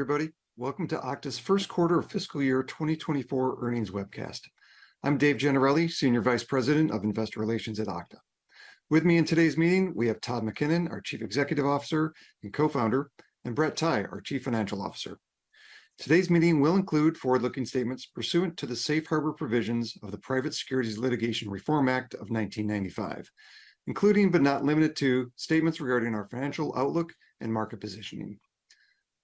Everybody, welcome to Okta first quarter of fiscal year 2024 earnings webcast. I'm Dave Gennarelli, Senior Vice President of Investor Relations at Okta. With me in today's meeting, we have Todd McKinnon, our Chief Executive Officer and Co-Founder, and Brett Tighe, our Chief Financial Officer. Today's meeting will include forward-looking statements pursuant to the safe harbor provisions of the Private Securities Litigation Reform Act of 1995, including but not limited to, statements regarding our financial outlook and market positioning.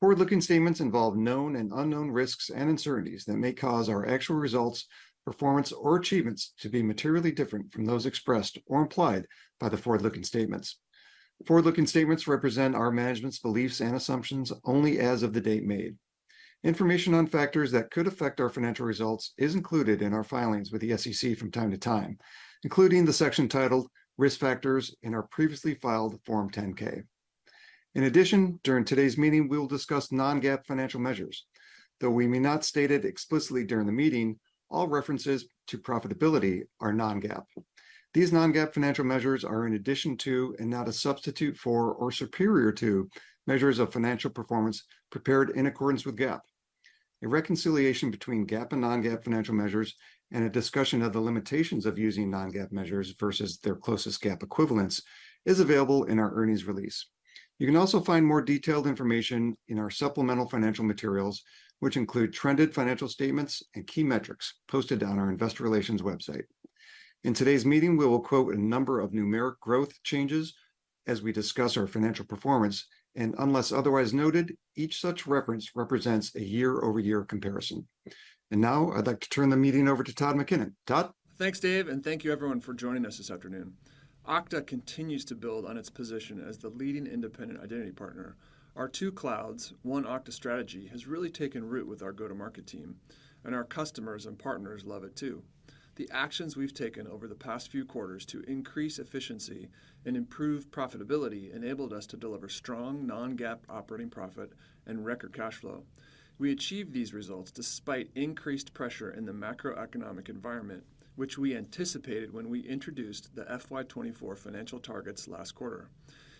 Forward-looking statements involve known and unknown risks and uncertainties that may cause our actual results, performance, or achievements to be materially different from those expressed or implied by the forward-looking statements. Forward-looking statements represent our management's beliefs and assumptions only as of the date made. Information on factors that could affect our financial results is included in our filings with the SEC from time to time, including the section titled Risk Factors in our previously filed Form 10-K. In addition, during today's meeting, we will discuss non-GAAP financial measures. Though we may not state it explicitly during the meeting, all references to profitability are non-GAAP. These non-GAAP financial measures are in addition to, and not a substitute for or superior to, measures of financial performance prepared in accordance with GAAP. A reconciliation between GAAP and non-GAAP financial measures and a discussion of the limitations of using non-GAAP measures versus their closest GAAP equivalents is available in our earnings release. You can also find more detailed information in our supplemental financial materials, which include trended financial statements and key metrics posted on our investor relations website. In today's meeting, we will quote a number of numeric growth changes as we discuss our financial performance, and unless otherwise noted, each such reference represents a year-over-year comparison. Now I'd like to turn the meeting over to Todd McKinnon. Todd? Thanks, Dave, and thank you everyone for joining us this afternoon. Okta continues to build on its position as the leading independent identity partner. Our two clouds, one Okta strategy has really taken root with our go-to-market team, and our customers and partners love it too. The actions we've taken over the past few quarters to increase efficiency and improve profitability enabled us to deliver strong, non-GAAP operating profit and record cash flow. We achieved these results despite increased pressure in the macroeconomic environment, which we anticipated when we introduced the FY 2024 financial targets last quarter.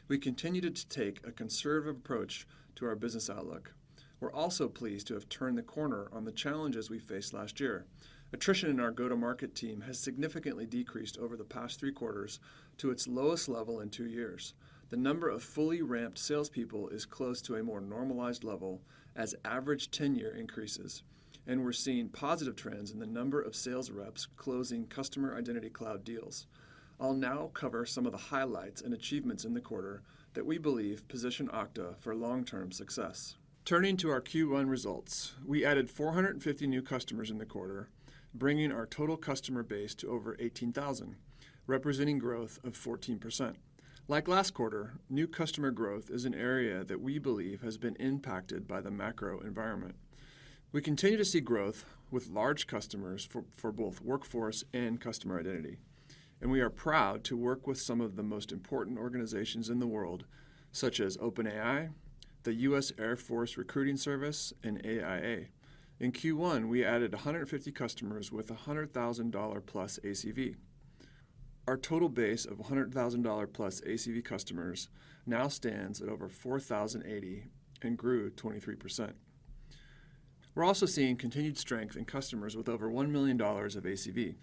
We continued to take a conservative approach to our business outlook. We're also pleased to have turned the corner on the challenges we faced last year. Attrition in our go-to-market team has significantly decreased over the past three quarters to its lowest level in two years. The number of fully ramped salespeople is close to a more normalized level as average tenure increases, and we're seeing positive trends in the number of sales reps closing Customer Identity Cloud deals. I'll now cover some of the highlights and achievements in the quarter that we believe position Okta for long-term success. Turning to our Q1 results, we added 450 new customers in the quarter, bringing our total customer base to over 18,000, representing growth of 14%. Like last quarter, new customer growth is an area that we believe has been impacted by the macro environment. We continue to see growth with large customers for both Workforce and Customer Identity, and we are proud to work with some of the most important organizations in the world, such as OpenAI, the US Air Force Recruiting Service, and AIA. In Q1, we added 150 customers with a $100,000+ ACV. Our total base of $100,000+ ACV customers now stands at over 4,080 and grew 23%. We're also seeing continued strength in customers with over $1 million of ACV.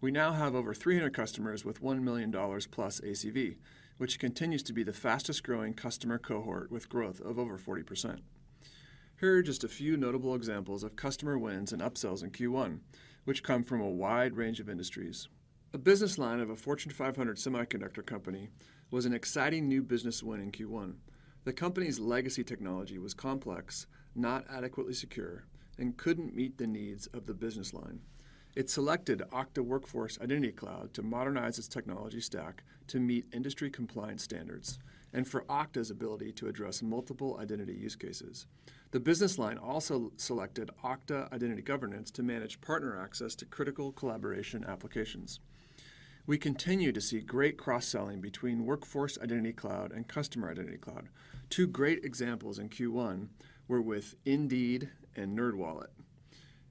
We now have over 300 customers with $1 million+ ACV, which continues to be the fastest growing customer cohort, with growth of over 40%. Here are just a few notable examples of customer wins and upsells in Q1, which come from a wide range of industries. A business line of a Fortune 500 semiconductor company was an exciting new business win in Q1. The company's legacy technology was complex, not adequately secure, and couldn't meet the needs of the business line. It selected Okta Workforce Identity Cloud to modernize its technology stack to meet industry compliance standards and for Okta's ability to address multiple identity use cases. The business line also selected Okta Identity Governance to manage partner access to critical collaboration applications. We continue to see great cross-selling between Workforce Identity Cloud and Customer Identity Cloud. Two great examples in Q1 were with Indeed and NerdWallet.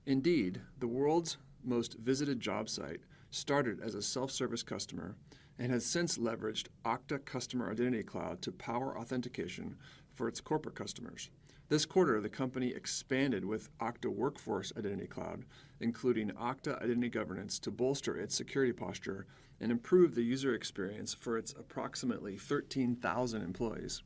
Indeed, the world's most visited job site, started as a self-service customer and has since leveraged Okta Customer Identity Cloud to power authentication for its corporate customers. This quarter, the company expanded with Okta Workforce Identity Cloud, including Okta Identity Governance, to bolster its security posture and improve the user experience for its approximately 13,000 employees.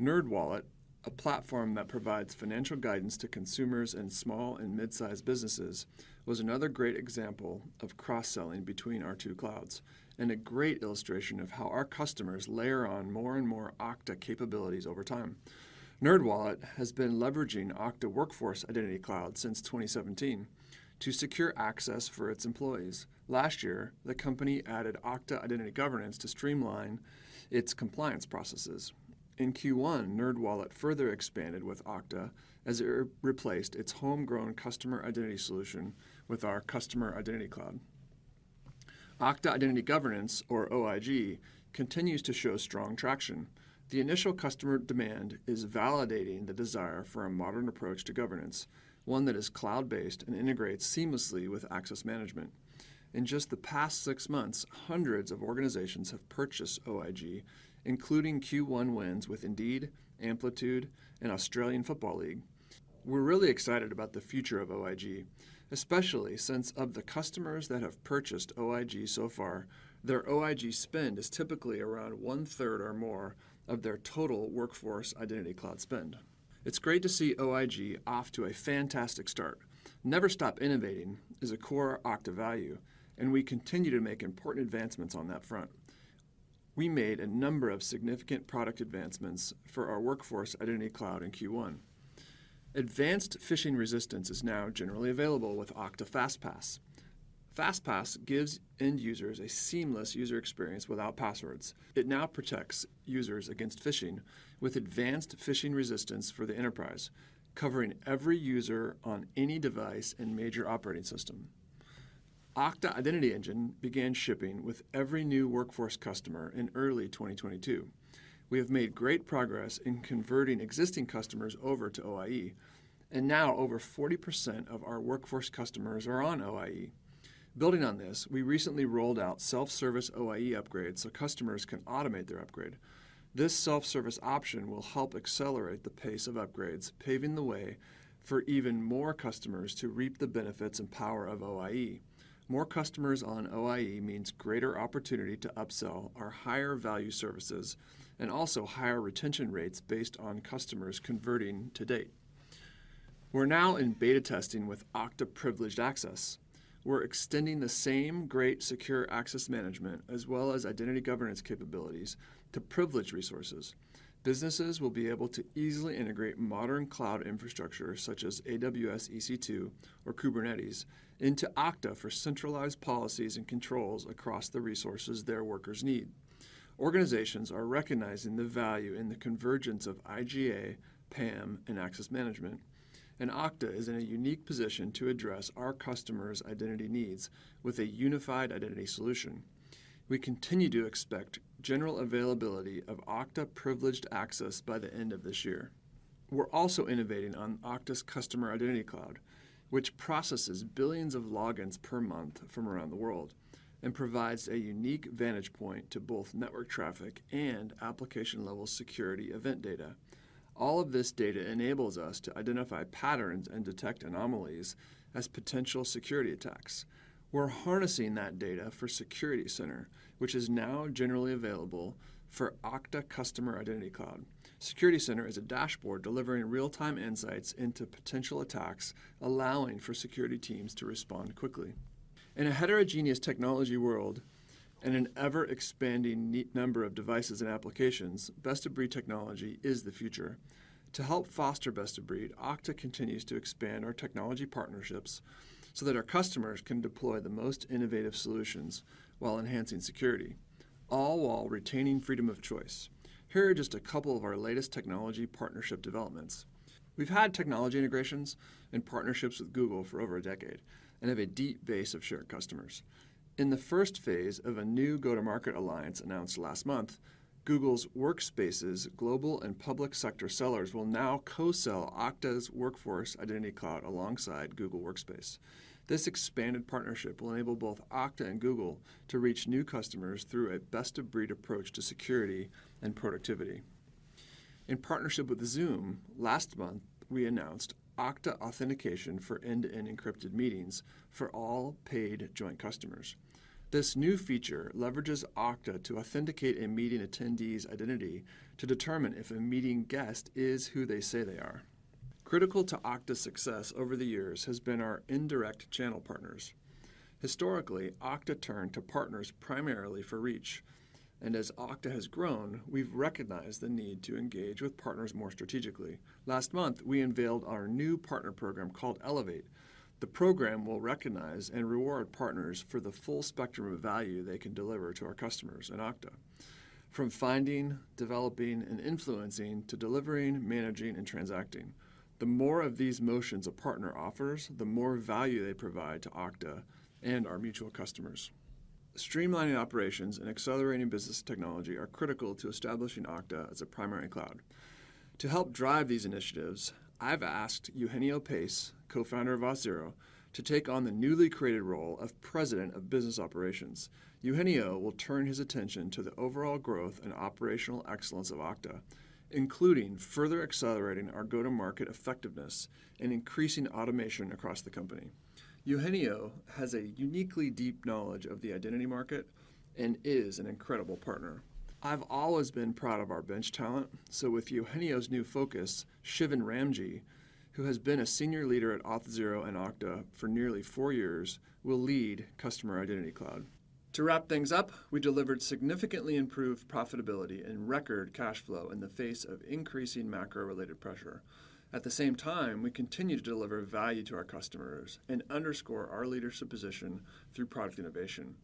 NerdWallet, a platform that provides financial guidance to consumers and small and mid-sized businesses, was another great example of cross-selling between our two clouds and a great illustration of how our customers layer on more and more Okta capabilities over time. NerdWallet has been leveraging Okta Workforce Identity Cloud since 2017 to secure access for its employees. Last year, the company added Okta Identity Governance to streamline its compliance processes. In Q1, NerdWallet further expanded with Okta as it re-replaced its homegrown customer identity solution with our Customer Identity Cloud. Okta Identity Governance, or OIG, continues to show strong traction. The initial customer demand is validating the desire for a modern approach to governance, one that is cloud-based and integrates seamlessly with access management. In just the past six months, hundreds of organizations have purchased OIG, including Q1 wins with Indeed, Amplitude, and Australian Football League. We're really excited about the future of OIG, especially since of the customers that have purchased OIG so far, their OIG spend is typically around 1/3 or more of their total Workforce Identity Cloud spend. It's great to see OIG off to a fantastic start. Never stop innovating is a core Okta value. We continue to make important advancements on that front. We made a number of significant product advancements for our Workforce Identity Cloud in Q1. Advanced phishing resistance is now generally available with Okta FastPass. FastPass gives end users a seamless user experience without passwords. It now protects users against phishing with advanced phishing resistance for the enterprise, covering every user on any device and major operating system. Okta Identity Engine began shipping with every new Workforce customer in early 2022. We have made great progress in converting existing customers over to OIE. Now over 40% of our Workforce customers are on OIE. Building on this, we recently rolled out self-service OIE upgrades. Customers can automate their upgrade. This self-service option will help accelerate the pace of upgrades, paving the way for even more customers to reap the benefits and power of OIE. More customers on OIE means greater opportunity to upsell our higher value services, also higher retention rates based on customers converting to date. We're now in beta testing with Okta Privileged Access. We're extending the same great secure access management as well as identity governance capabilities to privileged resources. Businesses will be able to easily integrate modern cloud infrastructure, such as AWS, EC2, or Kubernetes, into Okta for centralized policies and controls across the resources their workers need. Organizations are recognizing the value in the convergence of IGA, PAM, and access management. Okta is in a unique position to address our customers' identity needs with a unified identity solution. We continue to expect general availability of Okta Privileged Access by the end of this year. We're also innovating on Okta's Customer Identity Cloud, which processes billions of logins per month from around the world and provides a unique vantage point to both network traffic and application-level security event data. All of this data enables us to identify patterns and detect anomalies as potential security attacks. We're harnessing that data for Security Center, which is now generally available for Okta Customer Identity Cloud. Security Center is a dashboard delivering real-time insights into potential attacks, allowing for security teams to respond quickly. In a heterogeneous technology world and an ever-expanding neat number of devices and applications, best-of-breed technology is the future. To help foster best-of-breed, Okta continues to expand our technology partnerships so that our customers can deploy the most innovative solutions while enhancing security, all while retaining freedom of choice. Here are just a couple of our latest technology partnership developments. We've had technology integrations and partnerships with Google for over a decade and have a deep base of shared customers. In the first phase of a new go-to-market alliance announced last month, Google's Workspace global and public sector sellers will now co-sell Okta's Workforce Identity Cloud alongside Google Workspace. This expanded partnership will enable both Okta and Google to reach new customers through a best-of-breed approach to security and productivity. In partnership with Zoom, last month, we announced Okta authentication for end-to-end encrypted meetings for all paid joint customers. This new feature leverages Okta to authenticate a meeting attendee's identity to determine if a meeting guest is who they say they are. Critical to Okta's success over the years has been our indirect channel partners. Historically, Okta turned to partners primarily for reach, and as Okta has grown, we've recognized the need to engage with partners more strategically. Last month, we unveiled our new partner program called Elevate. The program will recognize and reward partners for the full spectrum of value they can deliver to our customers in Okta, from finding, developing, and influencing to delivering, managing, and transacting. The more of these motions a partner offers, the more value they provide to Okta and our mutual customers. Streamlining operations and accelerating business technology are critical to establishing Okta as a primary cloud. To help drive these initiatives, I've asked Eugenio Pace, co-founder of Auth0, to take on the newly created role of President of Business Operations. Eugenio will turn his attention to the overall growth and operational excellence of Okta, including further accelerating our go-to-market effectiveness and increasing automation across the company. Eugenio has a uniquely deep knowledge of the identity market and is an incredible partner. I've always been proud of our bench talent, with Eugenio's new focus, Shiven Ramji, who has been a senior leader at Auth0 and Okta for nearly four years, will lead Customer Identity Cloud. To wrap things up, we delivered significantly improved profitability and record cash flow in the face of increasing macro-related pressure. At the same time, we continue to deliver value to our customers and underscore our leadership position through product innovation.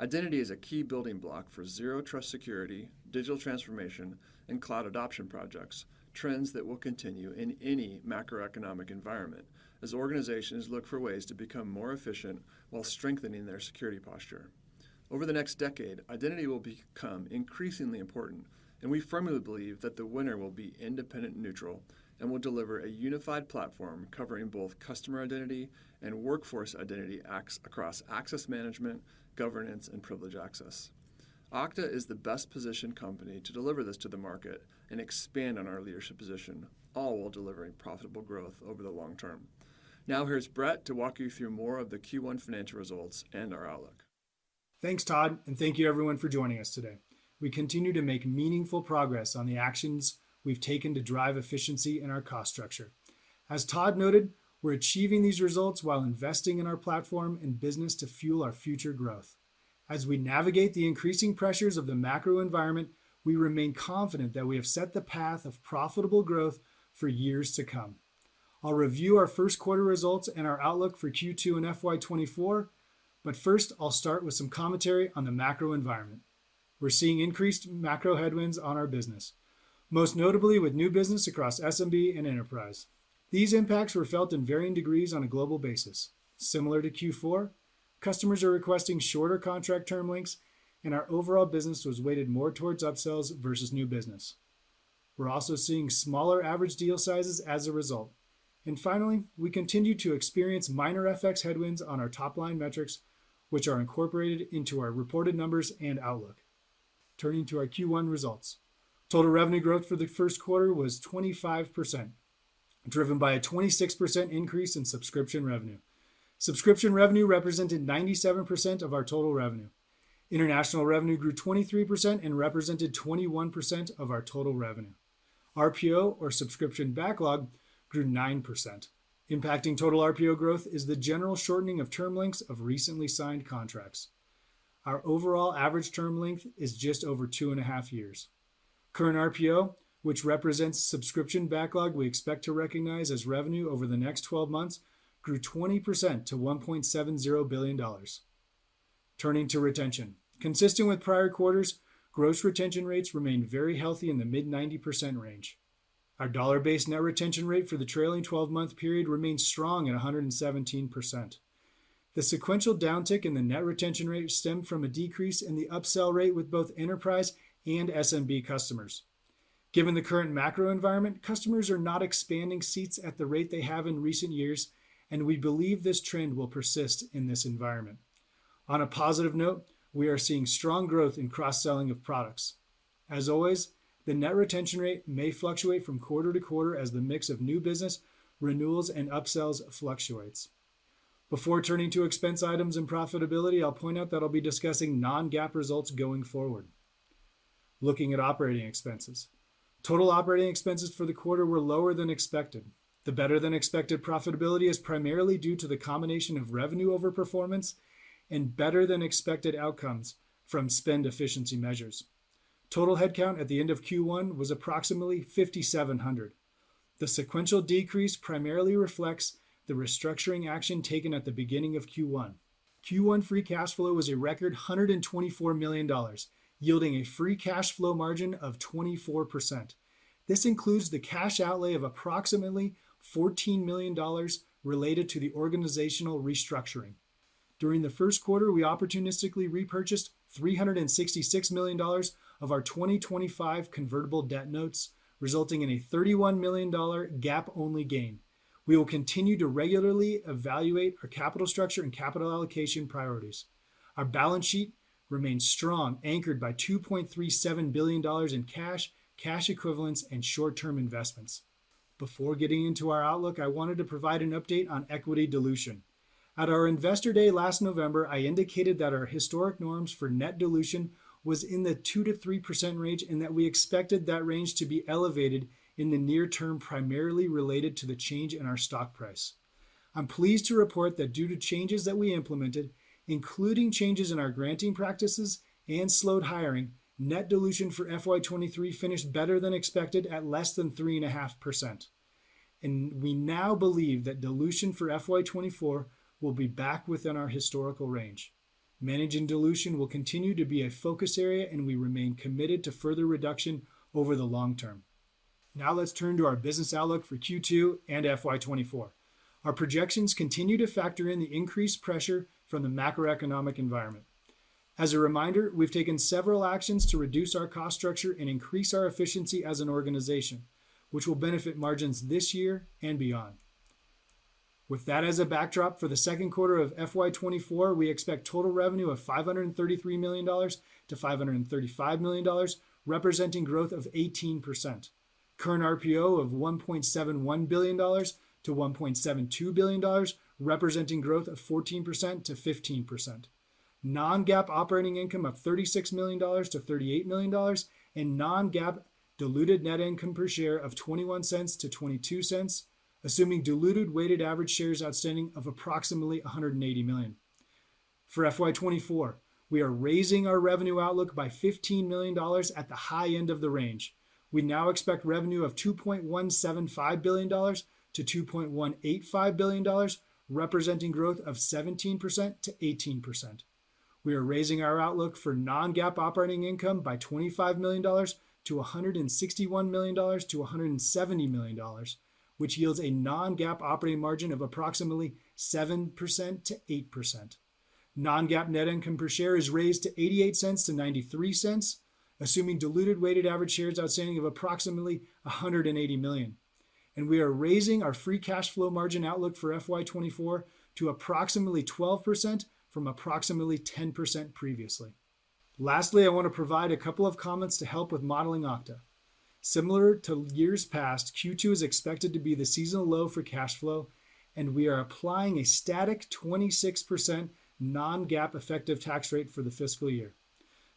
Identity is a key building block for zero trust security, digital transformation, and cloud adoption projects, trends that will continue in any macroeconomic environment as organizations look for ways to become more efficient while strengthening their security posture. Over the next decade, identity will become increasingly important, and we firmly believe that the winner will be independent and neutral and will deliver a unified platform covering both customer identity and workforce identity across access management, governance, and privilege access. Okta is the best-positioned company to deliver this to the market and expand on our leadership position, all while delivering profitable growth over the long term. Here's Brett to walk you through more of the Q1 financial results and our outlook. Thanks, Todd. Thank you everyone for joining us today. We continue to make meaningful progress on the actions we've taken to drive efficiency in our cost structure. As Todd noted, we're achieving these results while investing in our platform and business to fuel our future growth. As we navigate the increasing pressures of the macro environment, we remain confident that we have set the path of profitable growth for years to come. I'll review our first quarter results and our outlook for Q2 and FY 2024. First, I'll start with some commentary on the macro environment. We're seeing increased macro headwinds on our business, most notably with new business across SMB and enterprise. These impacts were felt in varying degrees on a global basis. Similar to Q4, customers are requesting shorter contract term lengths. Our overall business was weighted more towards upsells versus new business. We're also seeing smaller average deal sizes as a result, and finally, we continue to experience minor FX headwinds on our top-line metrics, which are incorporated into our reported numbers and outlook. Turning to our Q1 results, total revenue growth for the first quarter was 25%, driven by a 26% increase in subscription revenue. Subscription revenue represented 97% of our total revenue. International revenue grew 23% and represented 21% of our total revenue. RPO, or subscription backlog, grew 9%. Impacting total RPO growth is the general shortening of term lengths of recently signed contracts. Our overall average term length is just over two and half years. Current RPO, which represents subscription backlog we expect to recognize as revenue over the next 12 months, grew 20% to $1.70 billion. Turning to retention. Consistent with prior quarters, gross retention rates remained very healthy in the mid-90% range. Our dollar-based net retention rate for the trailing 12-month period remains strong at 117%. The sequential downtick in the net retention rate stemmed from a decrease in the upsell rate with both enterprise and SMB customers. Given the current macro environment, customers are not expanding seats at the rate they have in recent years. We believe this trend will persist in this environment. On a positive note, we are seeing strong growth in cross-selling of products. As always, the net retention rate may fluctuate from quarter to quarter as the mix of new business, renewals, and upsells fluctuates. Before turning to expense items and profitability, I'll point out that I'll be discussing non-GAAP results going forward. Looking at operating expenses. Total operating expenses for the quarter were lower than expected. The better-than-expected profitability is primarily due to the combination of revenue overperformance and better than expected outcomes from spend efficiency measures. Total headcount at the end of Q1 was approximately 5,700. The sequential decrease primarily reflects the restructuring action taken at the beginning of Q1. Q1 free cash flow was a record $124 million, yielding a free cash flow margin of 24%. This includes the cash outlay of approximately $14 million related to the organizational restructuring. During the first quarter, we opportunistically repurchased $366 million of our 2025 convertible debt notes, resulting in a $31 million GAAP-only gain. We will continue to regularly evaluate our capital structure and capital allocation priorities. Our balance sheet remains strong, anchored by $2.37 billion in cash equivalents, and short-term investments. Before getting into our outlook, I wanted to provide an update on equity dilution. At our Investor Day last November, I indicated that our historic norms for net dilution was in the 2%-3% range, and that we expected that range to be elevated in the near term, primarily related to the change in our stock price. I'm pleased to report that due to changes that we implemented, including changes in our granting practices and slowed hiring, net dilution for FY 2023 finished better than expected at less than 3.5%, and we now believe that dilution for FY 2024 will be back within our historical range. Managing dilution will continue to be a focus area, and we remain committed to further reduction over the long term. Let's turn to our business outlook for Q2 and FY 2024. Our projections continue to factor in the increased pressure from the macroeconomic environment. As a reminder, we've taken several actions to reduce our cost structure and increase our efficiency as an organization, which will benefit margins this year and beyond. With that as a backdrop, for the second quarter of FY 2024, we expect total revenue of $533 million-$535 million, representing growth of 18%. Current RPO of $1.71 billion-$1.72 billion, representing growth of 14%-15%. Non-GAAP operating income of $36 million-$38 million, and non-GAAP diluted net income per share of $0.21-$0.22. assuming diluted weighted average shares outstanding of approximately 180 million. For FY 2024, we are raising our revenue outlook by $15 million at the high end of the range. We now expect revenue of $2.175 billion-$2.185 billion, representing growth of 17%-18%. We are raising our outlook for non-GAAP operating income by $25 million to $161 million-$170 million, which yields a non-GAAP operating margin of approximately 7%-8%. Non-GAAP net income per share is raised to $0.88-$0.93, assuming diluted weighted average shares outstanding of approximately 180 million. We are raising our free cash flow margin outlook for FY 2024 to approximately 12% from approximately 10% previously. Lastly, I want to provide a couple of comments to help with modeling Okta. Similar to years past, Q2 is expected to be the seasonal low for cash flow, and we are applying a static 26% non-GAAP effective tax rate for the fiscal year.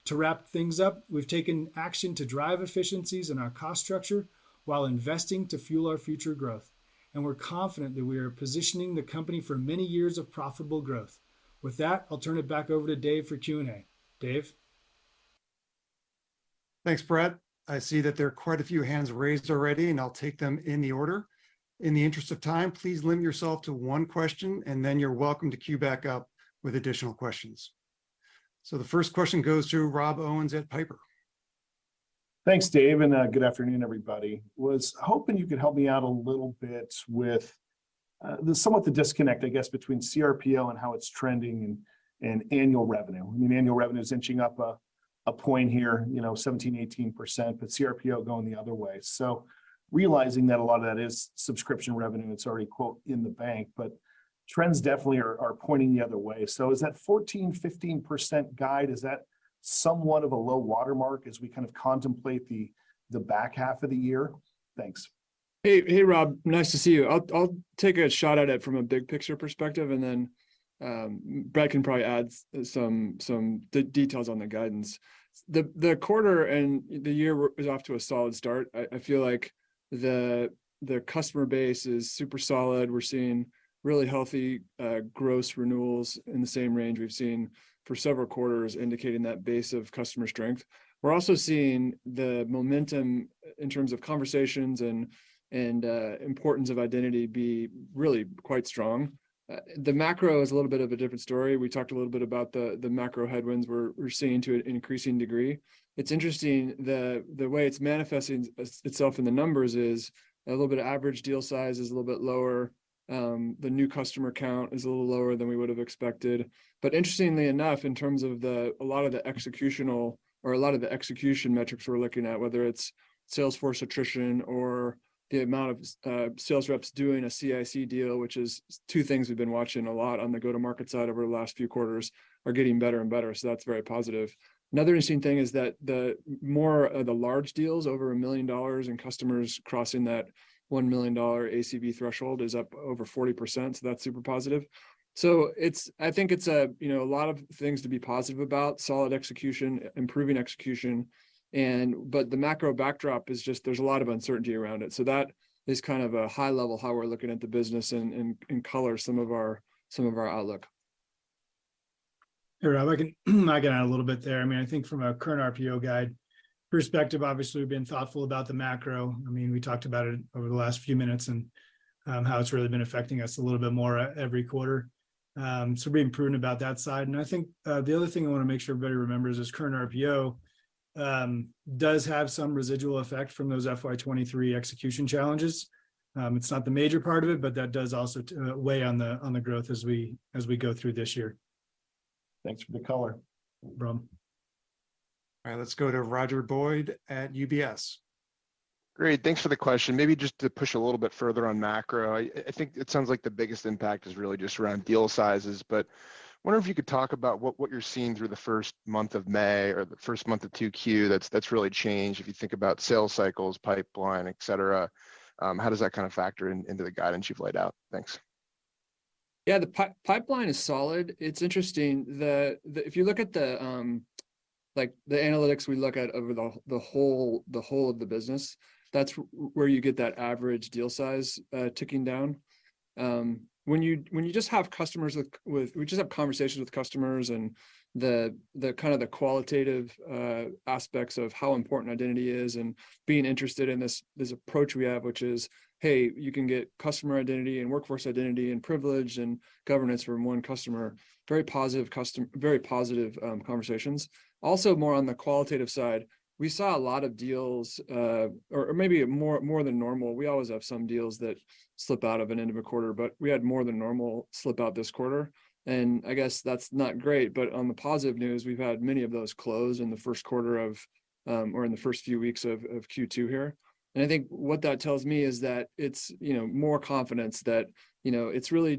To wrap things up, we've taken action to drive efficiencies in our cost structure while investing to fuel our future growth, and we're confident that we are positioning the company for many years of profitable growth. With that, I'll turn it back over to Dave for Q&A. Dave? Thanks, Brett. I see that there are quite a few hands raised already, and I'll take them in the order. In the interest of time, please limit yourself to one question, and then you're welcome to queue back up with additional questions. The first question goes to Rob Owens at Piper. Thanks, Dave, good afternoon, everybody. Was hoping you could help me out a little bit with, there's somewhat a disconnect, I guess, between CRPO and how it's trending and annual revenue. I mean, annual revenue is inching up a point here, you know, 17%-18%, CRPO going the other way. Realizing that a lot of that is subscription revenue that's already, quote, in the bank, trends definitely are pointing the other way. Is that 14%-15% guide, is that somewhat of a low watermark as we kind of contemplate the back half of the year? Thanks. Hey, Rob, nice to see you. I'll take a shot at it from a big picture perspective. Then, Brett can probably add some details on the guidance. The quarter and the year is off to a solid start. I feel like the customer base is super solid. We're seeing really healthy gross renewals in the same range we've seen for several quarters, indicating that base of customer strength. We're also seeing the momentum in terms of conversations and importance of identity, be really quite strong. The macro is a little bit of a different story. We talked a little bit about the macro headwinds we're seeing to an increasing degree. It's interesting the way it's manifesting itself in the numbers is a little bit of average deal size is a little bit lower. The new customer count is a little lower than we would have expected. Interestingly enough, in terms of a lot of the executional or a lot of the execution metrics we're looking at, whether it's sales force attrition or the amount of sales reps doing a CIC deal, which is two things we've been watching a lot on the go-to-market side over the last few quarters, are getting better and better, that's very positive. Another interesting thing is that the more of the large deals, over $1 million, in customers crossing that $1 million ACV threshold is up over 40%, that's super positive. I think it's a, you know, a lot of things to be positive about, solid execution, improving execution, but the macro backdrop is just there's a lot of uncertainty around it. That is kind of a high level, how we're looking at the business and color some of our, some of our outlook. Hey, Rob, I can add a little bit there. I mean, I think from a current RPO guide perspective, obviously, we've been thoughtful about the macro. I mean, we talked about it over the last few minutes and how it's really been affecting us a little bit more every quarter. Being prudent about that side. I think the other thing I wanna make sure everybody remembers is current RPO does have some residual effect from those FY 2023 execution challenges. It's not the major part of it, but that does also weigh on the growth as we go through this year. Thanks for the color. No problem. All right, let's go to Roger Boyd at UBS. Great, thanks for the question. Maybe just to push a little bit further on macro, I think it sounds like the biggest impact is really just around deal sizes, but I wonder if you could talk about what you're seeing through the first month of May or the first month of Q2 that's really changed, if you think about sales cycles, pipeline, et cetera. How does that kind of factor into the guidance you've laid out? Thanks. Yeah, the pipeline is solid. It's interesting that if you look at the, like, the analytics we look at over the whole of the business, that's where you get that average deal size, ticking down. When you just have customers with... we just have conversations with customers and the kind of the qualitative aspects of how important identity is and being interested in this approach we have, which is, "Hey, you can get Customer Identity and Workforce Identity and privilege, and governance from one customer." Very positive conversations. Also, more on the qualitative side, we saw a lot of deals, or maybe more than normal. We always have some deals that slip out of an end of a quarter, but we had more than normal slip out this quarter, and I guess that's not great. On the positive news, we've had many of those close in the first quarter or in the first few weeks of Q2 here. I think what that tells me is that it's, you know, more confidence that, you know, it's really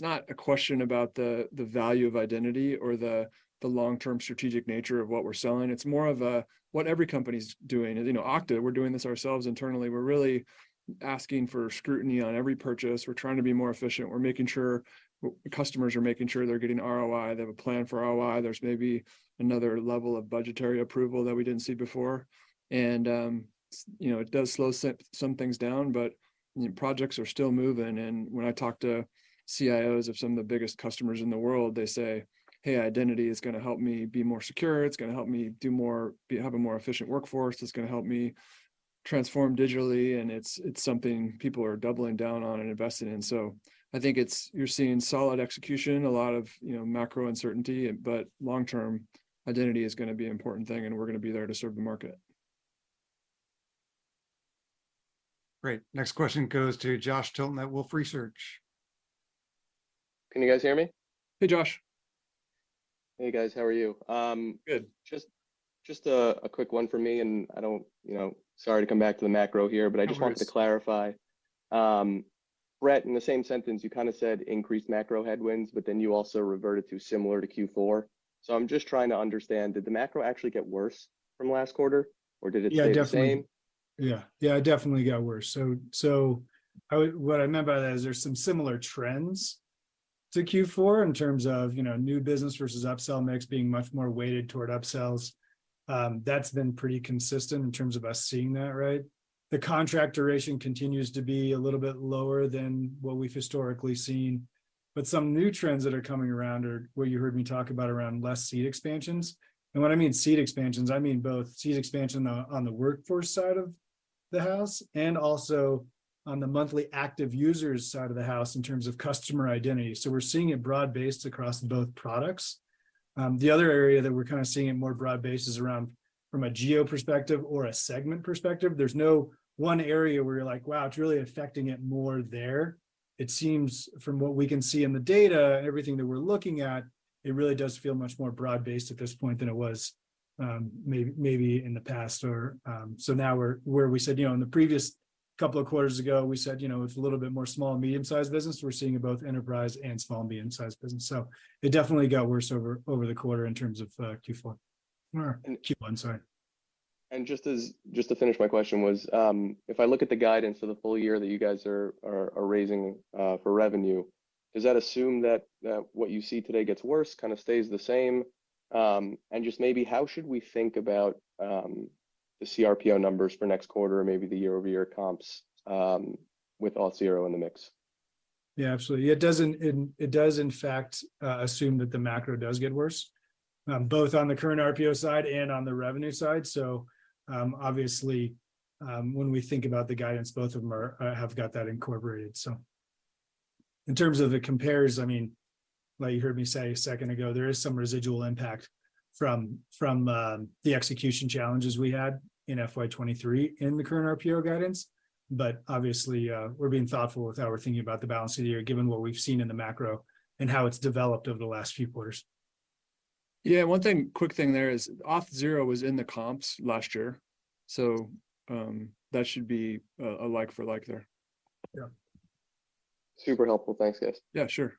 not a question about the value of identity or the long-term strategic nature of what we're selling. It's more of what every company's doing. You know, Okta, we're doing this ourselves internally. We're really asking for scrutiny on every purchase. We're trying to be more efficient. Customers are making sure they're getting ROI. They have a plan for ROI. There's maybe another level of budgetary approval that we didn't see before. you know, it does slow some things down, but projects are still moving. When I talk to CIOs of some of the biggest customers in the world, they say, "Hey, identity is gonna help me be more secure. It's gonna help me do more, have a more efficient workforce. It's gonna help me transformed digitally, and it's something people are doubling down on and investing in. I think you're seeing solid execution, a lot of, you know, macro uncertainty, but long-term identity is gonna be an important thing, and we're gonna be there to serve the market. Great. Next question goes to Josh Tilton at Wolfe Research. Can you guys hear me? Hey, Josh. Hey, guys. How are you? Good. Just a quick one for me. I don't, you know, sorry to come back to the macro here. No worries. I just wanted to clarify. Brett, in the same sentence, you kinda said increased macro headwinds, but then you also reverted to similar to Q4. I'm just trying to understand, did the macro actually get worse from last quarter, or did it stay the same? Yeah, definitely. Yeah. Yeah, it definitely got worse. What I meant by that is there's some similar trends to Q4 in terms of, you know, new business versus upsell mix being much more weighted toward upsells. That's been pretty consistent in terms of us seeing that, right? The contract duration continues to be a little bit lower than what we've historically seen, but some new trends that are coming around are what you heard me talk about around less seat expansions. When I mean seat expansions, I mean both seat expansion on the workforce side of the house and also on the monthly active users side of the house in terms of customer identity. We're seeing it broad-based across both products. The other area that we're kinda seeing it more broad-based is around from a geo perspective or a segment perspective. There's no one area where you're like, "Wow, it's really affecting it more there." It seems from what we can see in the data and everything that we're looking at, it really does feel much more broad-based at this point than it was maybe in the past or now we're where we said, you know, in the previous couple of quarters ago, we said, you know, it's a little bit more small and medium-sized business. We're seeing it in both enterprise and small and medium-sized business. It definitely got worse over the quarter in terms of Q4 or Q1, sorry. Just to finish my question was, if I look at the guidance for the full year that you guys are raising for revenue, does that assume that what you see today gets worse, kind of stays the same? Just maybe how should we think about the CRPO numbers for next quarter or maybe the year-over-year comps with Auth0 in the mix? Absolutely. It does in fact assume that the macro does get worse, both on the current RPO side and on the revenue side. Obviously, when we think about the guidance, both of them are have got that incorporated. In terms of the compares, I mean, like you heard me say a second ago, there is some residual impact from the execution challenges we had in FY23 in the current RPO guidance. Obviously, we're being thoughtful with how we're thinking about the balance of the year, given what we've seen in the macro and how it's developed over the last few quarters. One thing, quick thing there is, Auth0 was in the comps last year, that should be alike for like there. Yeah. Super helpful. Thanks, guys. Yeah, sure.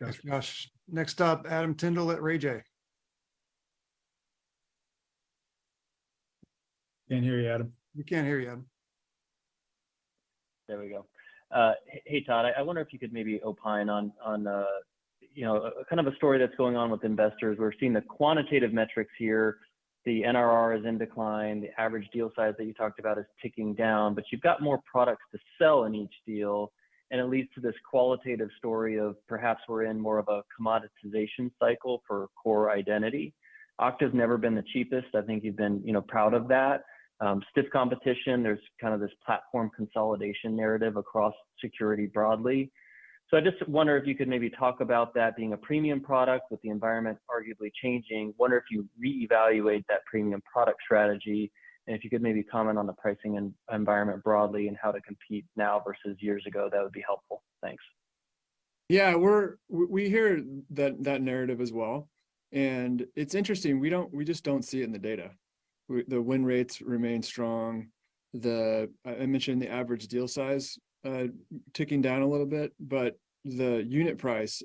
Thanks, Josh. Next up, Adam Tyndall at Raymond James. Can't hear you, Adam. We can't hear you, Adam. There we go. Hey, Todd, I wonder if you could maybe opine on, you know, kind of a story that's going on with investors. We're seeing the quantitative metrics here. The NRR is in decline, the average deal size that you talked about is ticking down, but you've got more products to sell in each deal, and it leads to this qualitative story of perhaps we're in more of a commoditization cycle for core identity. Okta never been the cheapest. I think you've been, you know, proud of that. Stiff competition, there's kind of this platform consolidation narrative across security broadly. I just wonder if you could maybe talk about that being a premium product with the environment arguably changing. I wonder if you re-evaluate that premium product strategy. If you could maybe comment on the pricing and environment broadly and how to compete now versus years ago, that would be helpful. Thanks. Yeah, we hear that narrative as well. It's interesting, we just don't see it in the data. The win rates remain strong. I mentioned the average deal size ticking down a little bit, the unit price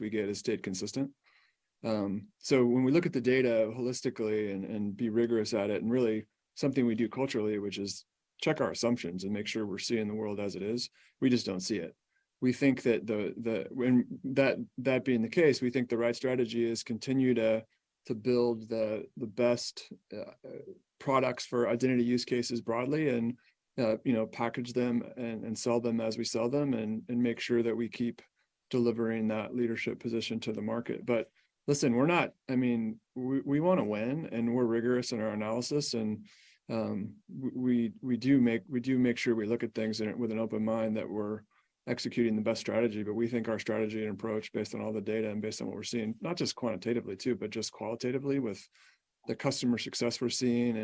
we get has stayed consistent. When we look at the data holistically and be rigorous at it, and really something we do culturally, which is check our assumptions and make sure we're seeing the world as it is, we just don't see it. We think that that being the case, we think the right strategy is continue to build the best products for identity use cases broadly and, you know, package them and sell them as we sell them, and make sure that we keep delivering that leadership position to the market. Listen, we're not. I mean, we wanna win, and we're rigorous in our analysis and, we do make sure we look at things with an open mind, that we're executing the best strategy. We think our strategy and approach, based on all the data and based on what we're seeing, not just quantitatively too, but just qualitatively, with the customer success we're seeing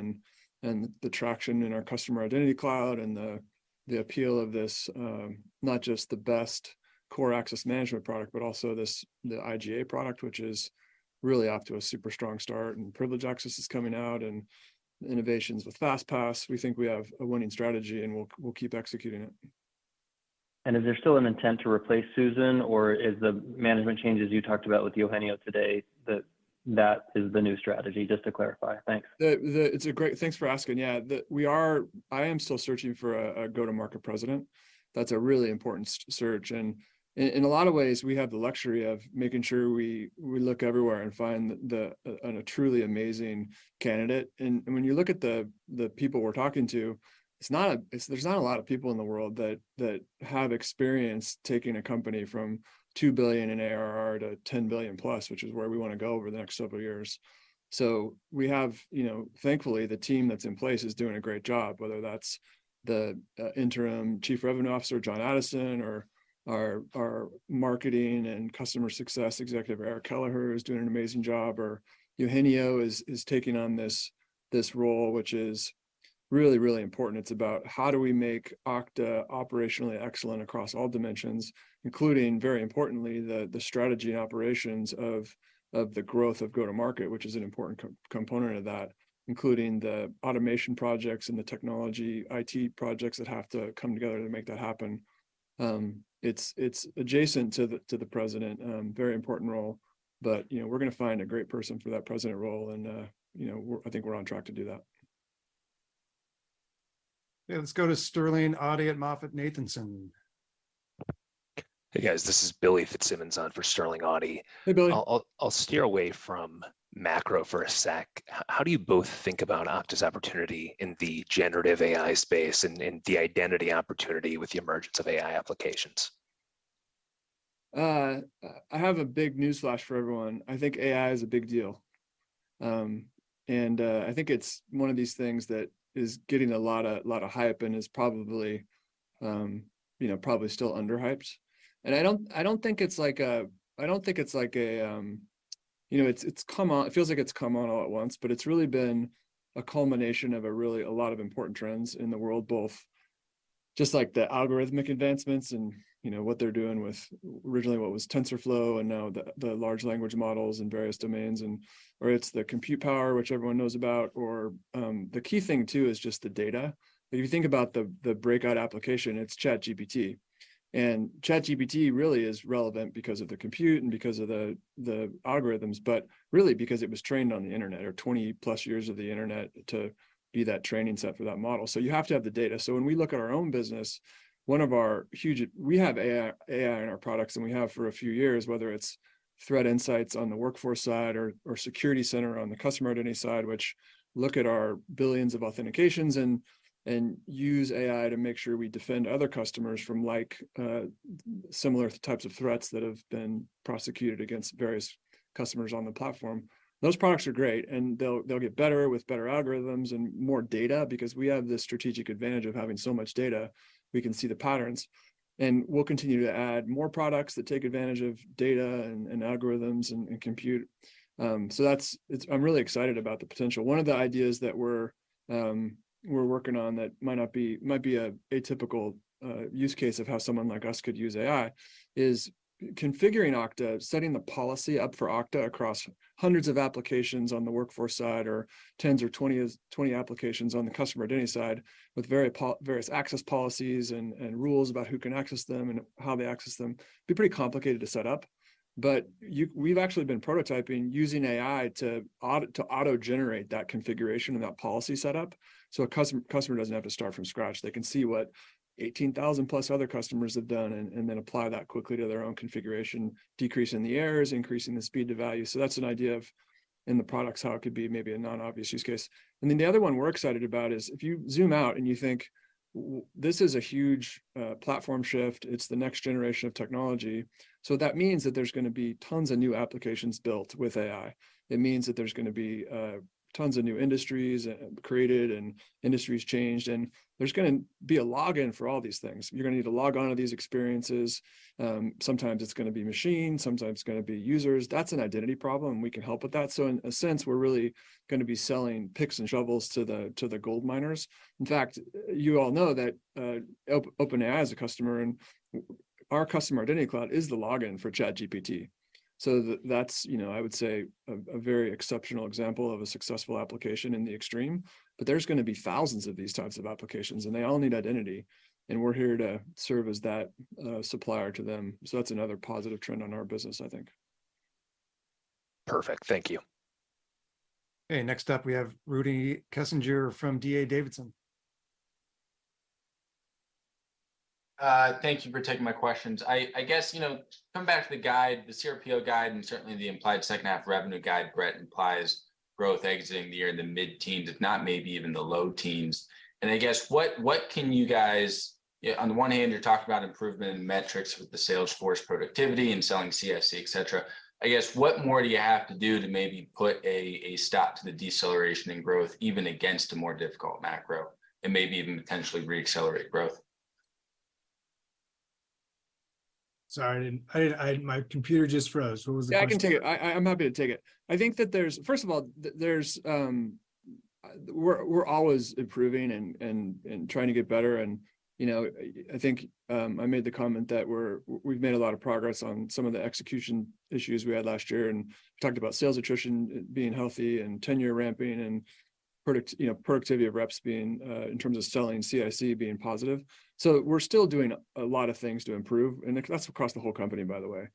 and the traction in our Customer Identity Cloud and the appeal of not just the best core access management product, but also the IGA product, which is really off to a super strong start, and Privileged Access is coming out, and innovations with FastPass. We think we have a winning strategy, and we'll keep executing it. Is there still an intent to replace Susan, or is the management changes you talked about with Eugenio today, that that is the new strategy? Just to clarify. Thanks. It's a great. Thanks for asking. Yeah, I am still searching for a go-to-market president. That's a really important search, and in a lot of ways, we have the luxury of making sure we look everywhere and find the a truly amazing candidate. When you look at the people we're talking to, it's there's not a lot of people in the world that have experience taking a company from $2 billion in ARR to $10 billion+, which is where we wanna go over the next several years. We have, you know, thankfully, the team that's in place is doing a great job, whether that's the Interim Chief Revenue Officer, Jon Addison, or our Marketing and Customer Success executive, Eric Kelleher, who's doing an amazing job, or Eugenio is taking on this role, which is really, really important. It's about how do we make Okta operationally excellent across all dimensions, including, very importantly, the strategy and operations of the growth of go-to-market, which is an important component of that, including the automation projects and the technology, IT projects that have to come together to make that happen. It's adjacent to the president, very important role, but, you know, we're gonna find a great person for that president role, and, you know, I think we're on track to do that. Yeah, let's go to Sterling Auty at MoffettNathanson. Hey, guys, this is Billy Fitzsimmons on for Sterling Auty. Hey, Billy. I'll steer away from macro for a sec. How do you both think about Okta opportunity in the generative AI space and the identity opportunity with the emergence of AI applications? I have a big newsflash for everyone. I think AI is a big deal. And I think it's one of these things that is getting a lot of hype and is probably, you know, still under-hyped. I don't think it's like a, you know, it feels like it's come on all at once, but it's really been a culmination of a lot of important trends in the world, both just like the algorithmic advancements and, you know, what they're doing with originally what was TensorFlow and now the large language models in various domains, or it's the compute power, which everyone knows about, or the key thing, too, is just the data. If you think about the breakout application, it's ChatGPT. ChatGPT really is relevant because of the compute and because of the algorithms, but really because it was trained on the internet, or 20+ years of the internet, to be that training set for that model. You have to have the data. When we look at our own business, one of our We have AI in our products, and we have for a few years, whether it's threat insights on the workforce side or Security Center on the customer identity side, which look at our billions of authentications and use AI to make sure we defend other customers from, like, similar types of threats that have been prosecuted against various customers on the platform. Those products are great, and they'll get better with better algorithms and more data. Because we have the strategic advantage of having so much data, we can see the patterns. We'll continue to add more products that take advantage of data and algorithms and compute. That's, I'm really excited about the potential. One of the ideas that we're working on that might not be might be a atypical use case of how someone like us could use AI, is configuring Okta, setting the policy up for Okta across hundreds of applications on the Workforce side, or tens or 20 applications on the Customer Identity side, with very various access policies and rules about who can access them and how they access them. Be pretty complicated to set up, but we've actually been prototyping using AI to auto-generate that configuration and that policy setup, so a customer doesn't have to start from scratch. They can see what 18,000 plus other customers have done and then apply that quickly to their own configuration, decreasing the errors, increasing the speed to value. That's an idea of, in the products, how it could be maybe a non-obvious use case. Then the other one we're excited about is, if you zoom out and you think, this is a huge platform shift, it's the next generation of technology, so that means that there's gonna be tons of new applications built with AI. It means that there's gonna be tons of new industries created and industries changed, and there's gonna be a login for all these things. You're gonna need to log on to these experiences. Sometimes it's gonna be machines, sometimes it's gonna be users. That's an identity problem, and we can help with that. In a sense, we're really gonna be selling picks and shovels to the gold miners. In fact, you all know that OpenAI is a customer, and our Customer Identity Cloud is the login for ChatGPT. That's, you know, a very exceptional example of a successful application in the extreme. There's gonna be thousands of these types of applications, and they all need identity, and we're here to serve as that supplier to them. That's another positive trend on our business, I think. Perfect. Thank you. Okay, next up, we have Rudy Kessinger from DADavidson. Thank you for taking my questions. I guess, you know, coming back to the guide, the CRPO guide, and certainly the implied second half revenue guide, Brett implies growth exiting the year in the mid-teens, if not maybe even the low teens. On the one hand, you're talking about improvement in metrics with the sales force productivity and selling CIC, et cetera. I guess, what more do you have to do to maybe put a stop to the deceleration in growth, even against a more difficult macro, and maybe even potentially re-accelerate growth? Sorry, my computer just froze. What was the question? Yeah, I can take it. I'm happy to take it. I think that First of all, there's, we're always improving and trying to get better. You know, I think, I made the comment that we've made a lot of progress on some of the execution issues we had last year, and talked about sales attrition being healthy and tenure ramping and product, you know, productivity of reps being in terms of selling CIC, being positive. We're still doing a lot of things to improve, and that's across the whole company, by the way.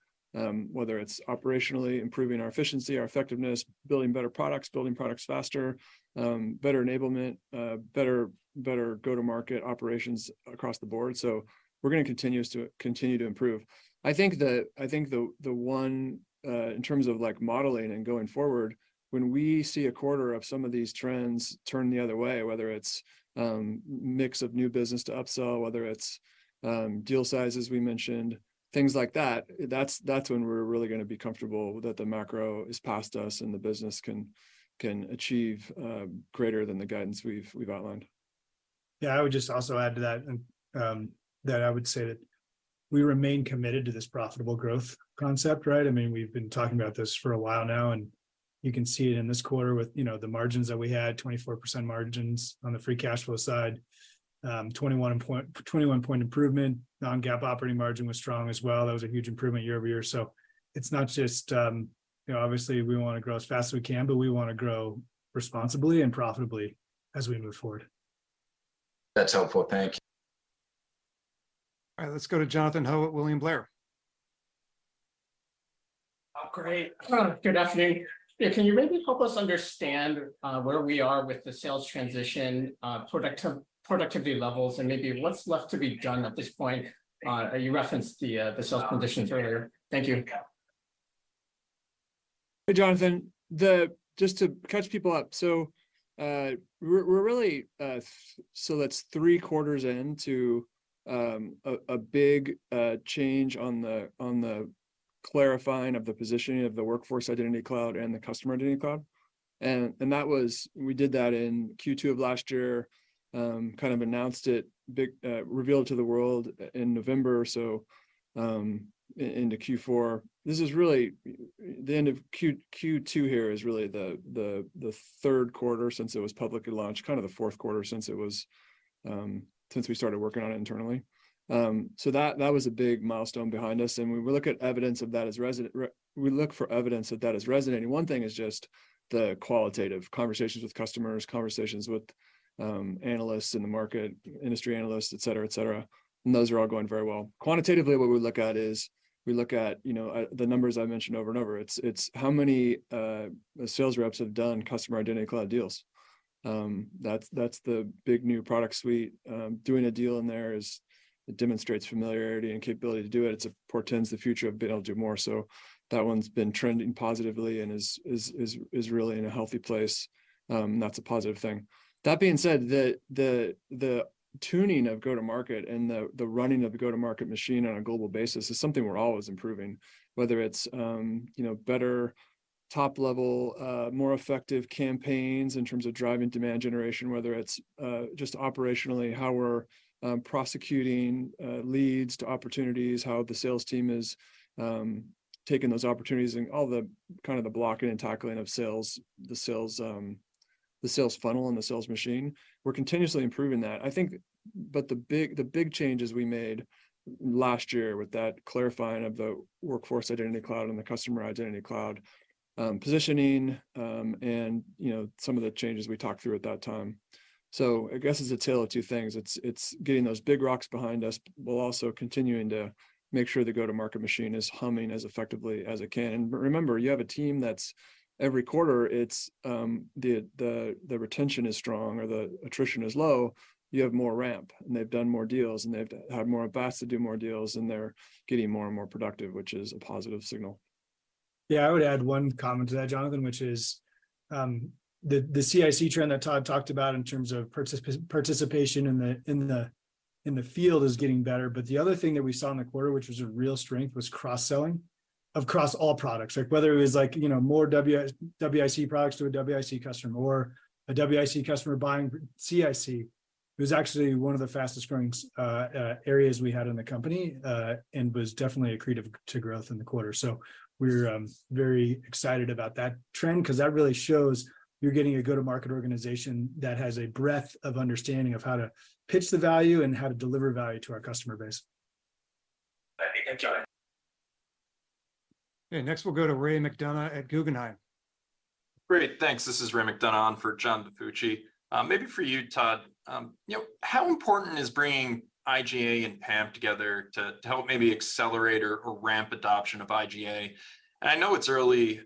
Whether it's operationally improving our efficiency, our effectiveness, building better products, building products faster, better enablement, better go-to-market operations across the board. We're gonna continue to improve. I think the one, in terms of, like, modeling and going forward, when we see a quarter of some of these trends turn the other way, whether it's mix of new business to upsell, whether it's deal sizes, we mentioned, things like that's when we're really gonna be comfortable that the macro is past us and the business can achieve greater than the guidance we've outlined. Yeah, I would just also add to that and, that I would say that we remain committed to this profitable growth concept, right? I mean, we've been talking about this for a while now, and you can see it in this quarter with, you know, the margins that we had, 24% margins on the free cash flow side. 21 point improvement, non-GAAP operating margin was strong as well. That was a huge improvement year-over-year. It's not just, you know, obviously, we wanna grow as fast as we can, but we wanna grow responsibly and profitably as we move forward. That's helpful. Thank you. All right, let's go to Jonathan Ho at William Blair. Oh, great. Hello, good afternoon. Yeah, can you maybe help us understand, where we are with the sales transition, productivity levels, and maybe what's left to be done at this point? You referenced the sales conditions earlier. Thank you. Hey, Jonathan. Just to catch people up, we're really that's three quarters into a big change on the clarifying of the positioning of the Workforce Identity Cloud and the Customer Identity Cloud. We did that in Q2 of last year. kind of announced it revealed to the world in November or so into Q4. This is really, the end of Q2 here is really the third quarter since it was publicly launched, kind of the fourth quarter since it was since we started working on it internally. That was a big milestone behind us, and we will look at evidence of that as We look for evidence that that is resonating. One thing is just the qualitative conversations with customers, conversations with analysts in the market, industry analysts, et cetera, et cetera. Those are all going very well. Quantitatively, what we look at is, we look at, you know, the numbers I've mentioned over and over. It's how many sales reps have done Customer Identity Cloud deals. That's the big new product suite. Doing a deal in there is, it demonstrates familiarity and capability to do it. It portends the future of being able to do more. That one's been trending positively and is really in a healthy place. That's a positive thing. That being said, the tuning of go-to-market and the running of the go-to-market machine on a global basis is something we're always improving. Whether it's, you know, better top-level, more effective campaigns in terms of driving demand generation, whether it's just operationally, how we're prosecuting leads to opportunities, how the sales team is taking those opportunities and all the kind of the blocking and tackling of sales, the sales funnel and the sales machine, we're continuously improving that. I think. The big changes we made last year with that clarifying of the Workforce Identity Cloud and the Customer Identity Cloud, positioning, and, you know, some of the changes we talked through at that time. I guess it's a tale of two things. It's getting those big rocks behind us, while also continuing to make sure the go-to-market machine is humming as effectively as it can. Remember, you have a team that's every quarter, it's, the retention is strong or the attrition is low, you have more ramp, and they've done more deals, and they've had more capacity to do more deals, and they're getting more and more productive, which is a positive signal. I would add one comment to that, Jonathan, which is, the CIC trend that Todd talked about in terms of participation in the field is getting better. The other thing that we saw in the quarter, which was a real strength, was cross-selling across all products. Like whether it was like, you know, more WIC products to a WIC customer or a WIC customer buying CIC, it was actually one of the fastest growing areas we had in the company and was definitely accretive to growth in the quarter. We're very excited about that trend, 'cause that really shows you're getting a go-to-market organization that has a breadth of understanding of how to pitch the value and how to deliver value to our customer base. Thank you, gentlemen. Okay, next we'll go to Ray McDonough at Guggenheim. Great, thanks. This is Ray McDonough in for John DiFucci. Maybe for you, Todd, you know, how important is bringing IGA and PAM together to help maybe accelerate or ramp adoption of IGA? I know it's early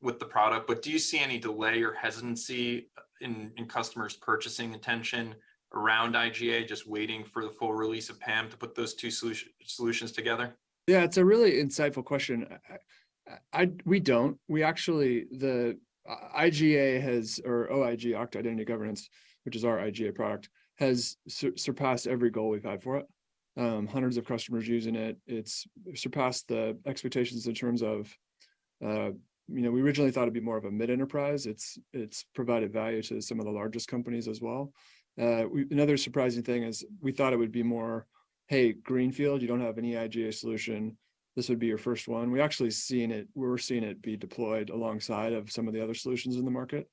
with the product, but do you see any delay or hesitancy in customers' purchasing attention around IGA, just waiting for the full release of PAM to put those two solutions together? Yeah, it's a really insightful question. I, we don't. We actually. The IGA has, or OIG, Okta Identity Governance, which is our IGA product, has surpassed every goal we've had for it. Hundreds of customers using it. It's surpassed the expectations in terms of, you know, we originally thought it'd be more of a mid-enterprise. It's provided value to some of the largest companies as well. Another surprising thing is, we thought it would be more, "Hey, Greenfield, you don't have any IGA solution. This would be your first one." We're seeing it be deployed alongside of some of the other solutions in the market,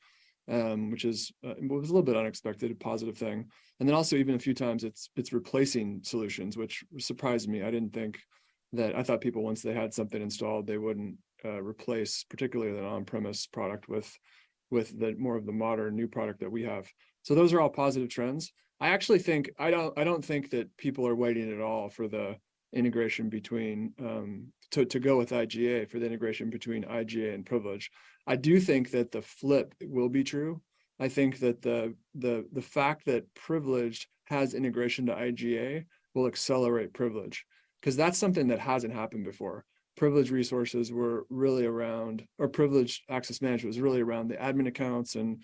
which is, was a little bit unexpected, a positive thing. Also, even a few times, it's replacing solutions, which surprised me. I didn't think that... I thought people, once they had something installed, they wouldn't replace, particularly the on-premise product with the more of the modern new product that we have. Those are all positive trends. I actually think I don't think that people are waiting at all for the integration between to go with IGA, for the integration between IGA and Privilege. I do think that the flip will be true. I think that the fact that Privilege has integration to IGA will accelerate Privilege, 'cause that's something that hasn't happened before. Privileged access management was really around the admin accounts and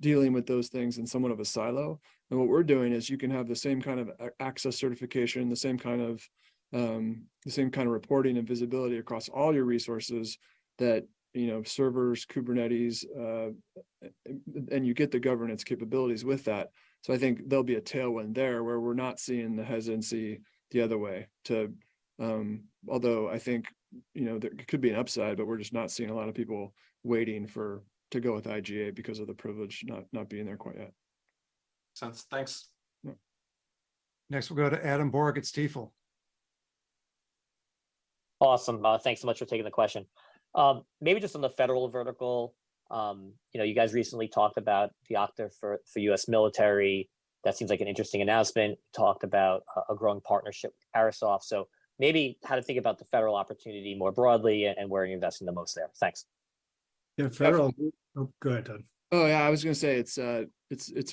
dealing with those things in somewhat of a silo. What we're doing is you can have the same kind of access certification, the same kind of, the same kind of reporting and visibility across all your resources that, you know, servers, Kubernetes, and you get the governance capabilities with that. I think there'll be a tailwind there, where we're not seeing the hesitancy the other way to. I think, you know, there could be an upside, but we're just not seeing a lot of people waiting to go with IGA because of the privilege not being there quite yet. Sounds. Thanks. Yeah. Next, we'll go to Adam Borg at Stifel. Awesome. Thanks so much for taking the question. Maybe just on the federal vertical, you know, you guys recently talked about the Okta for U.S. military. That seems like an interesting announcement. Talked about a growing partnership with Carahsoft. Maybe how to think about the federal opportunity more broadly, and where are you investing the most there? Thanks. Yeah, Oh, go ahead, Todd. Oh, yeah, I was gonna say, it's a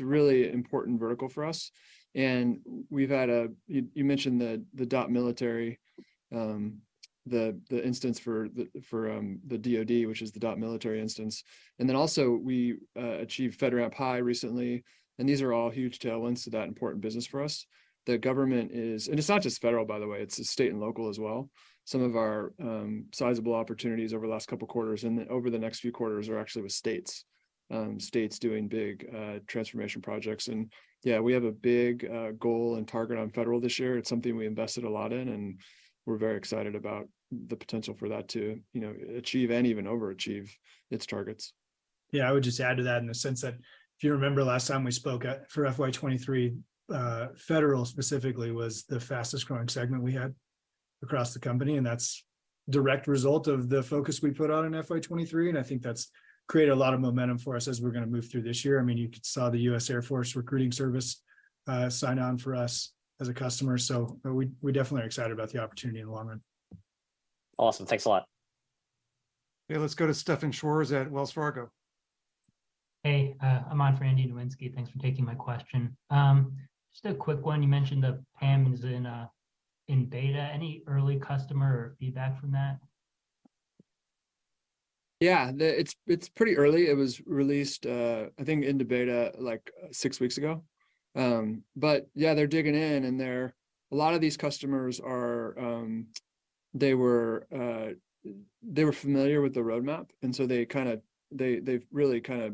really important vertical for us, and we've had you mentioned the dot military, the instance for the, for the DoD, which is the military instance. Also, we achieved FedRAMP High recently, and these are all huge tailwinds to that important business for us. The government is. It's not just federal, by the way, it's the state and local as well. Some of our sizable opportunities over the last two quarters and over the next few quarters are actually with states. States doing big transformation projects. Yeah, we have a big goal and target on federal this year. It's something we invested a lot in, and we're very excited about the potential for that to, you know, achieve and even overachieve its targets. I would just add to that in the sense that if you remember last time we spoke, for FY 23, Federal specifically, was the fastest growing segment we had across the company. That's direct result of the focus we put out on FY 23. I think that's created a lot of momentum for us as we're gonna move through this year. I mean, you saw the US Air Force Recruiting Service sign on for us as a customer. We definitely are excited about the opportunity in the long run. Awesome. Thanks a lot. Okay, let's go to Stefan Schwarz at Wells Fargo. Hey, I'm on for Andy Nowinski. Thanks for taking my question. Just a quick one. You mentioned the PAM is in beta. Any early customer or feedback from that? Yeah, the, it's pretty early. It was released, I think into beta, like, six weeks ago. Yeah, they're digging in, and they're. A lot of these customers are, they were, they were familiar with the roadmap. They've really kinda,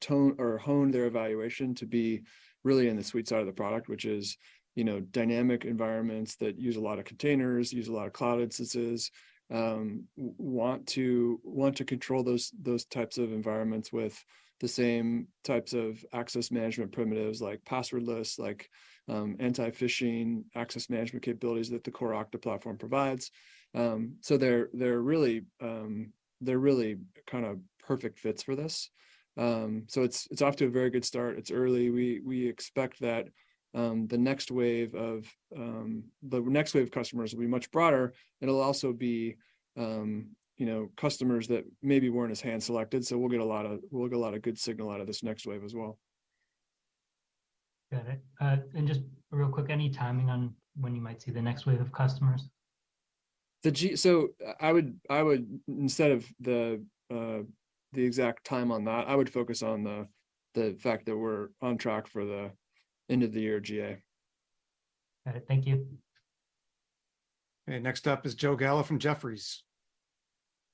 tone or honed their evaluation to be really in the sweet side of the product, which is, you know, dynamic environments that use a lot of containers, use a lot of cloud instances, want to control those types of environments with the same types of access management primitives, like passwordless, like, anti-phishing access management capabilities that the core Okta platform provides. They're really kind of perfect fits for this. It's off to a very good start. It's early. We expect that the next wave of customers will be much broader, and it'll also be, you know, customers that maybe weren't as hand-selected. We'll get a lot of good signal out of this next wave as well. Got it. Just real quick, any timing on when you might see the next wave of customers? I would, instead of the exact time on that, I would focus on the fact that we're on track for the end-of-the-year GA. Got it. Thank you. Okay, next up is Joe Gallo from Jefferies.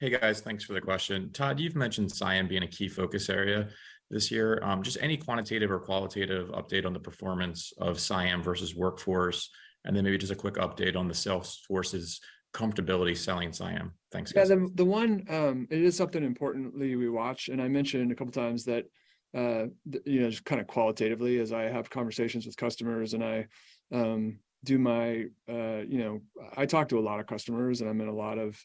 Hey, guys. Thanks for the question. Todd, you've mentioned CIAM being a key focus area this year. Just any quantitative or qualitative update on the performance of CIAM versus Workforce? Then maybe just a quick update on the sales force's comfortability selling CIAM. Thanks, guys. Yeah, the one. It is something importantly we watch, and I mentioned a couple of times that, you know, just kinda qualitatively as I have conversations with customers. You know, I talk to a lot of customers, and I'm in a lot of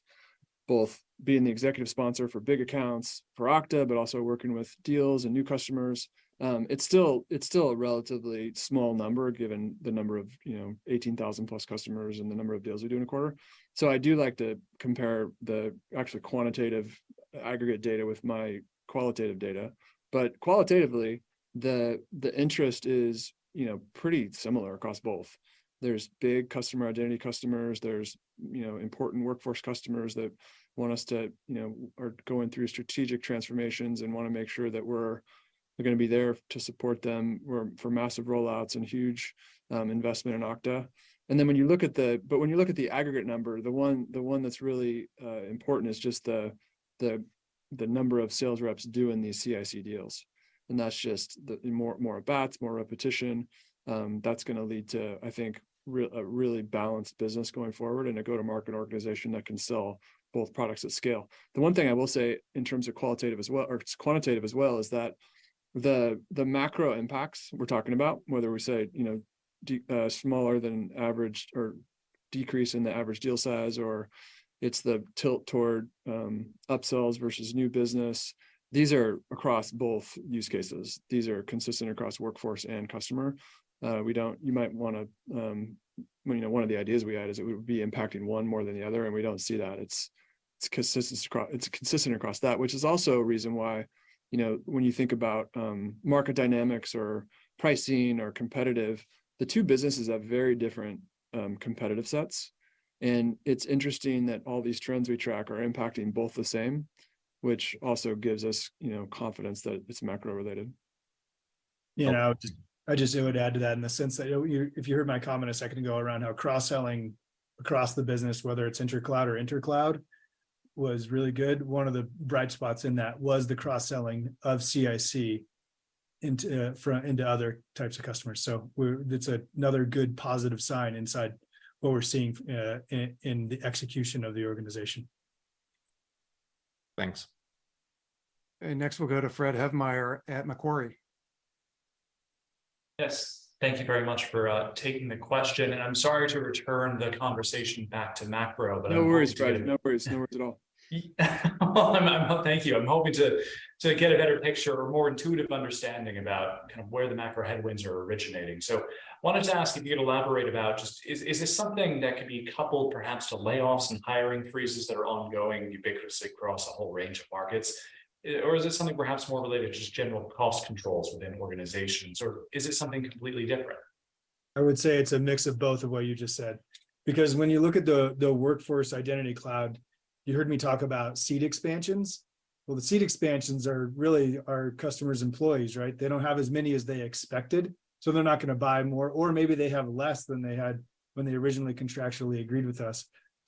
both being the executive sponsor for big accounts for Okta, but also working with deals and new customers. It's still a relatively small number, given the number of, you know, 18,000+ customers and the number of deals we do in a quarter. I do like to compare the actual quantitative aggregate data with my qualitative data. Qualitatively, the interest is, you know, pretty similar across both. There's big customer identity customers, there's, you know, important workforce customers that want us to, you know, are going through strategic transformations and wanna make sure that we're gonna be there to support them for massive rollouts and huge investment in Okta. When you look at the aggregate number, the one that's really important is just the number of sales reps doing these CIC deals, and that's just the more at bats, more repetition. That's gonna lead to, I think, a really balanced business going forward, and a go-to-market organization that can sell both products at scale. The one thing I will say in terms of qualitative as well, or quantitative as well, is that the macro impacts we're talking about, whether we say, you know, smaller than average or decrease in the average deal size, or it's the tilt toward upsells versus new business, these are across both use cases. These are consistent across Workforce and Customer. You might wanna, you know, one of the ideas we had is it would be impacting one more than the other, we don't see that. It's consistent across, it's consistent across that, which is also a reason why, you know, when you think about market dynamics or pricing or competitive, the two businesses have very different competitive sets. It's interesting that all these trends we track are impacting both the same, which also gives us, you know, confidence that it's macro-related. You know, just, I just would add to that in the sense that, you know, you, if you heard my comment a second ago around how cross-selling across the business, whether it's intercloud or intercloud, was really good. One of the bright spots in that was the cross-selling of CIC into other types of customers. That's another good, positive sign inside what we're seeing in the execution of the organization. Thanks. Next, we'll go to Fred Havemeyer at Macquarie. Yes. Thank you very much for taking the question, and I'm sorry to return the conversation back to macro. No worries, Fred. No worries, no worries at all. Well, thank you. I'm hoping to get a better picture or more intuitive understanding about kind of where the macro headwinds are originating. Wanted to ask, if you could elaborate about just is this something that could be coupled, perhaps, to layoffs and hiring freezes that are ongoing, ubiquitous across a whole range of markets? Or is this something perhaps more related to just general cost controls within organizations, or is it something completely different? I would say it's a mix of both of what you just said. When you look at the Workforce Identity Cloud, you heard me talk about seat expansions. Well, the seat expansions are really our customers' employees, right? They don't have as many as they expected, so they're not gonna buy more, or maybe they have less than they had when they originally contractually agreed with us.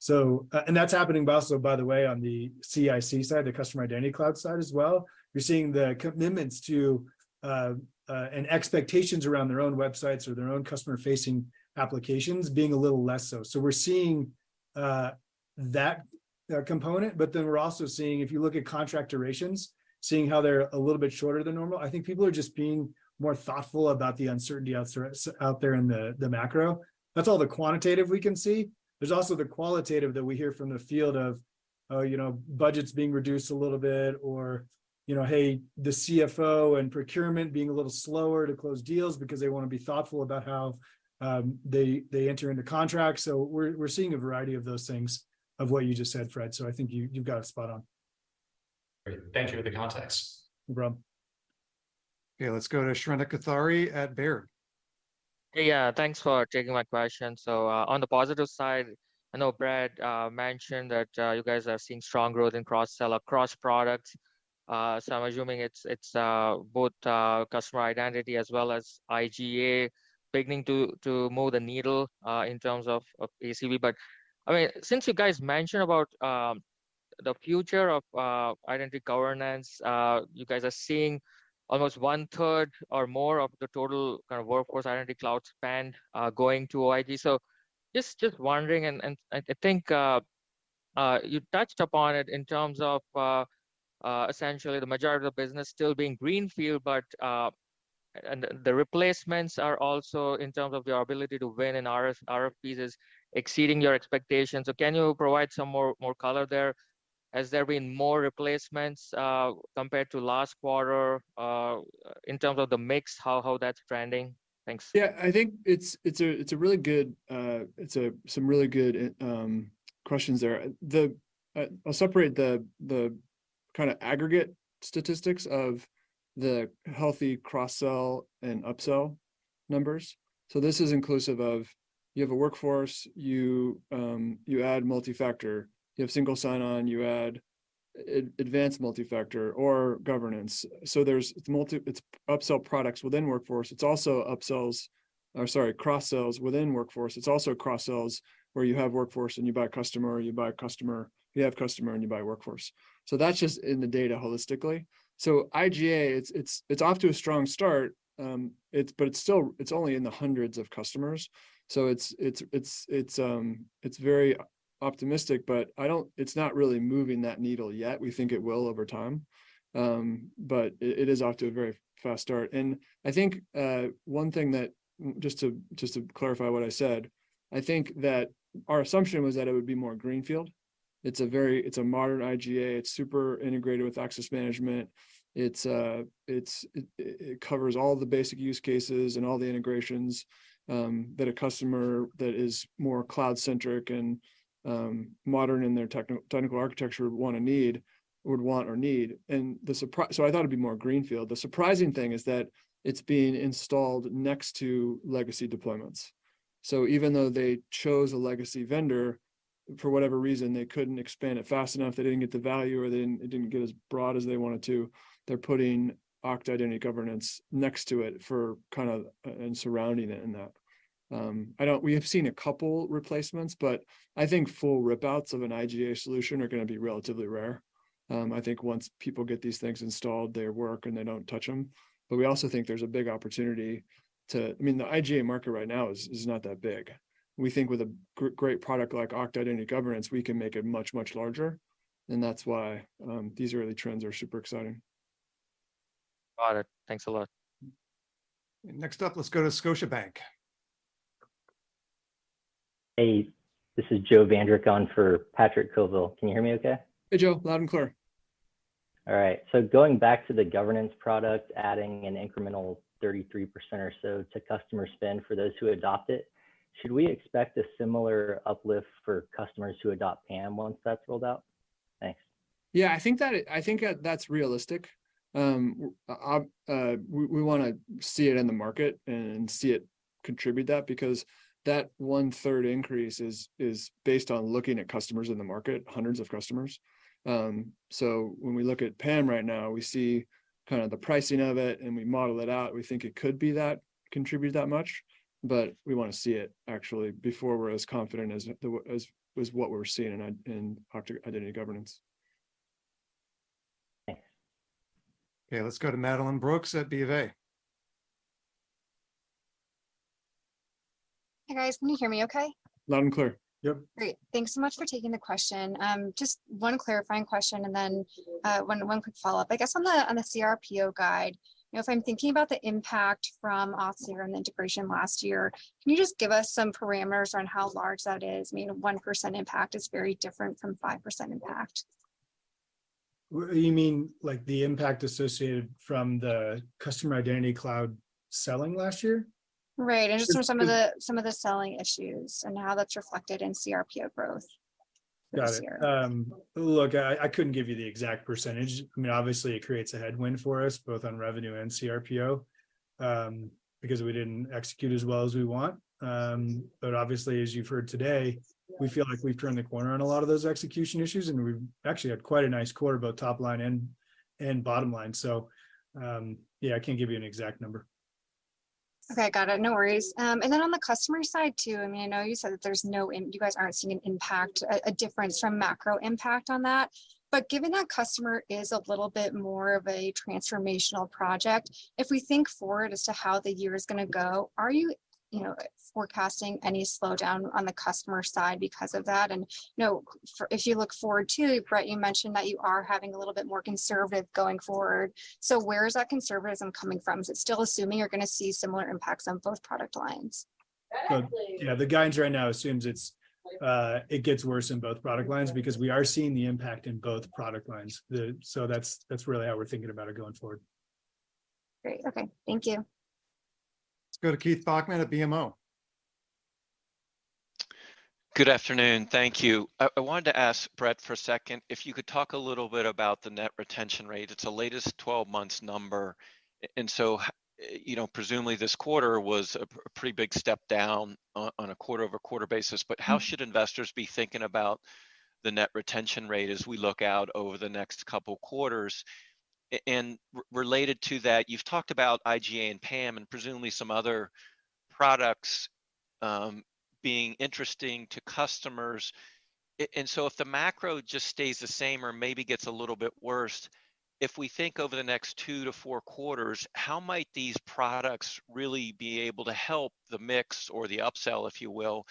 That's happening also, by the way, on the CIC side, the Customer Identity Cloud side as well. We're seeing the commitments to and expectations around their own websites or their own customer-facing applications being a little less so. We're seeing that component, we're also seeing, if you look at contract durations, seeing how they're a little bit shorter than normal. I think people are just being more thoughtful about the uncertainty out there in the macro. That's all the quantitative we can see. There's also the qualitative that we hear from the field of, you know, budgets being reduced a little bit or, you know, hey, the CFO and procurement being a little slower to close deals because they wanna be thoughtful about how they enter into contracts. We're seeing a variety of those things, of what you just said, Fred. I think you've got it spot on. Great. Thank you for the context. No problem. Okay, let's go to Shrenik Kothari at Baird. Hey, yeah, thanks for taking my question. On the positive side, I know Brad mentioned that you guys have seen strong growth in cross-sell across products. I'm assuming it's both Customer Identity as well as IGA beginning to move the needle in terms of ACV. I mean, since you guys mentioned about the future of Identity Governance, you guys are seeing almost 1/3 or more of the total kind of Workforce Identity Cloud spend going to OIG. Just wondering, and I think you touched upon it in terms of essentially the majority of the business still being greenfield, the replacements are also, in terms of your ability to win in RFPs, is exceeding your expectations? Can you provide some more color there? Has there been more replacements, compared to last quarter, in terms of the mix, how that's trending? Thanks. Yeah, I think it's a really good, some really good questions there. I'll separate the kind of aggregate statistics of the healthy cross-sell and upsell numbers. This is inclusive of, you have a Workforce, you add multi-factor. You have single sign-on, you add advanced multi-factor or governance. There's upsell products within Workforce. It's also cross-sells within Workforce. It's also cross-sells where you have Workforce and you buy a Customer, or you have Customer and you buy Workforce. That's just in the data holistically. IGA, it's off to a strong start, but it's still, it's only in the hundreds of customers. It's very optimistic, but it's not really moving that needle yet. We think it will over time. But it is off to a very fast start. I think, one thing that, just to clarify what I said, I think that our assumption was that it would be more greenfield. It's a very, it's a modern IGA, it's super integrated with access management. It covers all the basic use cases and all the integrations, that a customer that is more cloud-centric and modern in their technical architecture would want or need. I thought it'd be more greenfield. The surprising thing is that it's being installed next to legacy deployments. Even though they chose a legacy vendor, for whatever reason, they couldn't expand it fast enough, they didn't get the value, or it didn't get as broad as they wanted to, they're putting Okta Identity Governance next to it for kind of, and surrounding it in that. I don't. We have seen a couple replacements, but I think full rip-outs of an IGA solution are going to be relatively rare. I think once people get these things installed, they work, and they don't touch them. We also think there's a big opportunity to. I mean, the IGA market right now is not that big. We think with a great product like Okta Identity Governance, we can make it much, much larger, and that's why these early trends are super exciting. Got it. Thanks a lot. Next up, let's go to Scotiabank. Hey, this is Joe Vandrick on for Patrick Colville. Can you hear me okay? Hey, Joe. Loud and clear. All right. Going back to the governance product, adding an incremental 33% or so to customer spend for those who adopt it, should we expect a similar uplift for customers who adopt PAM once that's rolled out? Thanks. Yeah, I think that that's realistic. We wanna see it in the market and contribute that because that one-third increase is based on looking at customers in the market, hundreds of customers. When we look at PAM right now, we see kind of the pricing of it, and we model it out, we think it could be that, contribute that much, but we wanna see it actually before we're as confident as what we're seeing in Okta Identity Governance. Okay, let's go to Madeline Brooks at BofA. Hey, guys. Can you hear me okay? Loud and clear. Yep. Great. Thanks so much for taking the question. just one clarifying question, and then one quick follow-up. I guess on the CRPO guide, you know, if I'm thinking about the impact from Auth0 and the integration last year, can you just give us some parameters on how large that is? I mean, 1% impact is very different from 5% impact. You mean, like, the impact associated from the Customer Identity Cloud selling last year? Right, just some of the selling issues, how that's reflected in CRPO growth this year. Got it. Look, I couldn't give you the exact percentage. I mean, obviously, it creates a headwind for us, both on revenue and CRPO, because we didn't execute as well as we want. Obviously, as you've heard today, we feel like we've turned the corner on a lot of those execution issues, and we've actually had quite a nice quarter, both top line and bottom line. Yeah, I can't give you an exact number. Okay, got it. No worries. On the customer side too, I mean, I know you said that there's no you guys aren't seeing an impact, a difference from macro impact on that, but given that customer is a little bit more of a transformational project, if we think forward as to how the year is gonna go, are you know, forecasting any slowdown on the customer side because of that? If you look forward, too, Brett, you mentioned that you are having a little bit more conservative going forward. Where is that conservatism coming from? Is it still assuming you're gonna see similar impacts on both product lines? Exactly. Yeah, the guidance right now assumes it gets worse in both product lines because we are seeing the impact in both product lines. That's really how we're thinking about it going forward. Great. Okay, thank you. Let's go to Keith Bachman at BMO. Good afternoon. Thank you. I wanted to ask Brett for a second, if you could talk a little bit about the net retention rate. It's the latest 12 months number, you know, presumably this quarter was a pretty big step down on a quarter-over-quarter basis. How should investors be thinking about the net retention rate as we look out over the next couple quarters? Related to that, you've talked about IGA and PAM, and presumably some other products, being interesting to customers. If the macro just stays the same or maybe gets a little bit worse, if we think over the next two quarters-four quarters, how might these products really be able to help the mix or the upsell, if you will?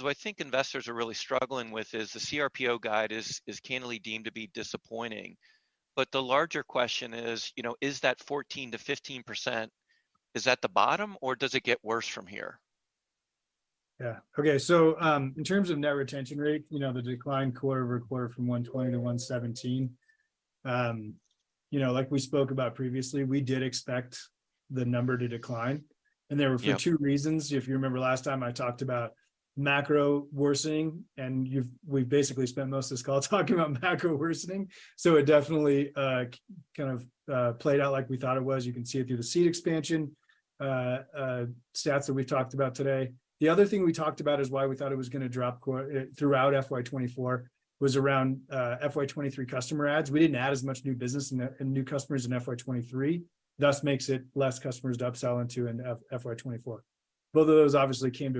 What I think investors are really struggling with is the CRPO guide is candidly deemed to be disappointing, but the larger question is, you know, is that 14%-15%, is that the bottom, or does it get worse from here? Yeah. In terms of net retention rate, you know, the decline quarter-over-quarter from 120 to 117, you know, like we spoke about previously, we did expect the number to decline. Yeah. They were for two reasons. If you remember last time I talked about macro worsening, and we've basically spent most of this call talking about macro worsening. It definitely, kind of, played out like we thought it was. You can see it through the seed expansion, stats that we've talked about today. The other thing we talked about is why we thought it was gonna drop throughout FY 2024, was around FY 2023 customer adds. We didn't add as much new business and new customers in FY 2023, thus makes it less customers to upsell into in FY 2024. Both of those obviously came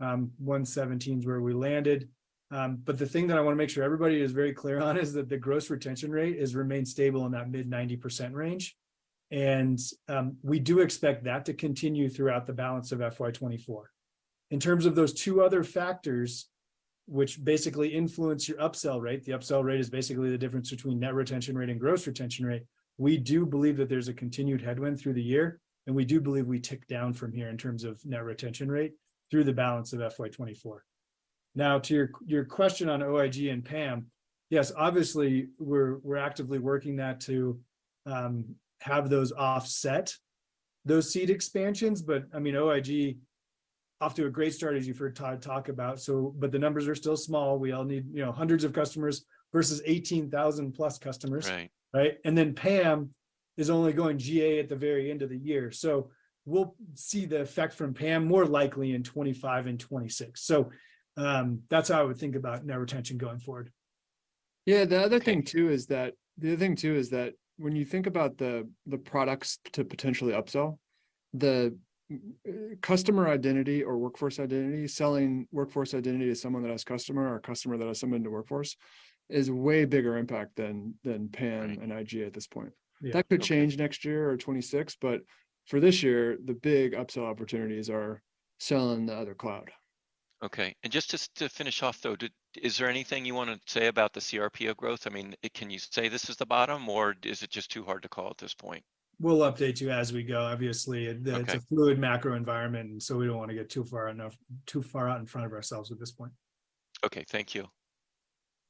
to fruition. 117 is where we landed, the thing that I wanna make sure everybody is very clear on is that the gross retention rate has remained stable in that mid-90% range, we do expect that to continue throughout the balance of FY 2024. In terms of those two other factors, which basically influence your upsell rate, the upsell rate is basically the difference between net retention rate and gross retention rate. We do believe that there's a continued headwind through the year, we do believe we tick down from here in terms of net retention rate through the balance of FY 2024. To your question on OIG and PAM, yes, obviously, we're actively working that to have those offset those seed expansions. I mean, OIG off to a great start, as you heard Todd talk about. The numbers are still small. We all need, you know, hundreds of customers versus 18,000+ customers. Right. Right? Then PAM is only going GA at the very end of the year. We'll see the effect from PAM more likely in 25 and 26. That's how I would think about net retention going forward. Yeah, the other thing too, is that when you think about the products to potentially upsell, the Customer Identity or Workforce Identity, selling Workforce Identity to someone that has Customer or Customer that has someone into Workforce, is way bigger impact than PAM. Right And IGA at this point. Yeah. That could change next year or 2026, but for this year, the big upsell opportunities are selling the other cloud. Okay. Just to finish off, though, is there anything you wanna say about the CRPO growth? I mean, can you say this is the bottom, or is it just too hard to call at this point? We'll update you as we go. Obviously. Okay It's a fluid macro environment, we don't wanna get too far out in front of ourselves at this point. Okay, thank you.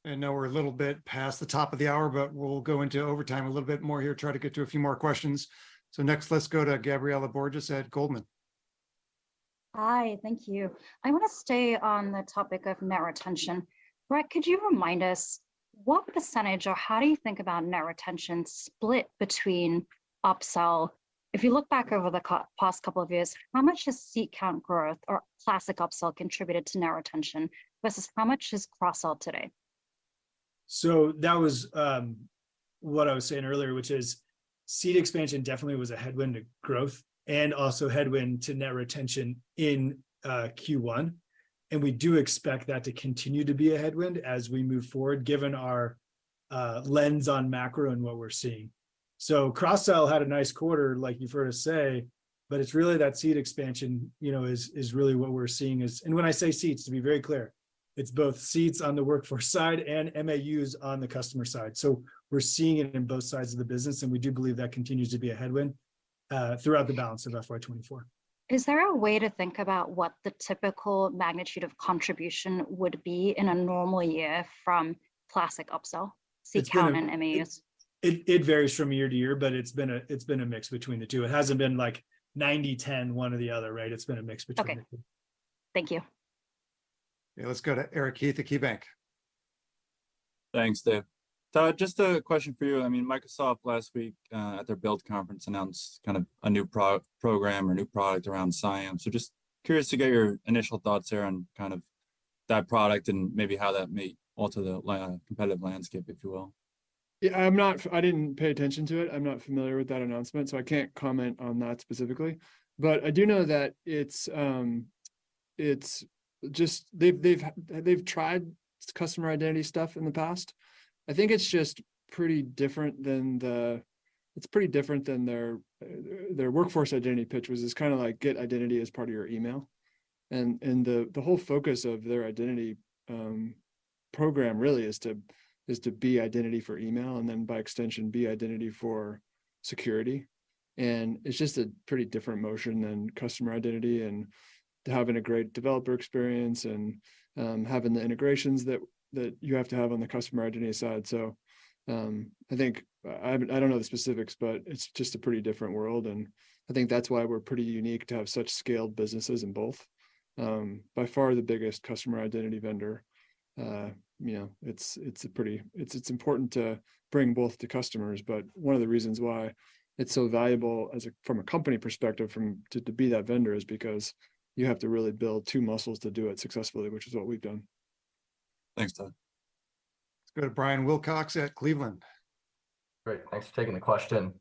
I know we're a little bit past the top of the hour, we'll go into overtime a little bit more here, try to get to a few more questions. Next, let's go to Gabriela Borges at Goldman. Hi, thank you. I want to stay on the topic of net retention. Brett, could you remind us what percentage, or how do you think about net retention split between upsell? If you look back over the past couple of years, how much does seat count growth or classic upsell contributed to net retention versus how much is cross-sell today? That was what I was saying earlier, which is seat expansion definitely was a headwind to growth and also headwind to net retention in Q1. We do expect that to continue to be a headwind as we move forward, given our lens on macro and what we're seeing. Cross-sell had a nice quarter, like you've heard us say, but it's really that seat expansion, you know, is really what we're seeing is, when I say seats, to be very clear, it's both seats on the Workforce side and MAUs on the Customer side. We're seeing it in both sides of the business, and we do believe that continues to be a headwind throughout the balance of FY 2024. Is there a way to think about what the typical magnitude of contribution would be in a normal year from classic upsell, seat count... It's been- MAUs? It varies from year to year, but it's been a mix between the two. It hasn't been like 90/10, one or the other, right? It's been a mix between the two. Okay. Thank you. Yeah, let's go to Eric Heath at KeyBanc. Thanks, Dave. Just a question for you. I mean, Microsoft last week, at their Build conference, announced kind of a new program or new product around CIAM. Just curious to get your initial thoughts there on kind of that product and maybe how that may alter the competitive landscape, if you will. Yeah, I didn't pay attention to it. I'm not familiar with that announcement, so I can't comment on that specifically. I do know that it's just they've tried customer identity stuff in the past. It's pretty different than their Workforce Identity pitch, which is kind of like get identity as part of your email. The whole focus of their identity program really is to be identity for email, and then, by extension, be identity for security. It's just a pretty different motion than customer identity and having a great developer experience and having the integrations that you have to have on the customer identity side. I think, I don't know the specifics, but it's just a pretty different world, and I think that's why we're pretty unique to have such scaled businesses in both. By far the biggest customer identity vendor, you know, it's important to bring both to customers, but one of the reasons why it's so valuable as a company perspective, to be that vendor, is because you have to really build two muscles to do it successfully, which is what we've done. Thanks, Todd. Let's go to Brian Wilcox at Cleveland. Great, thanks for taking the question.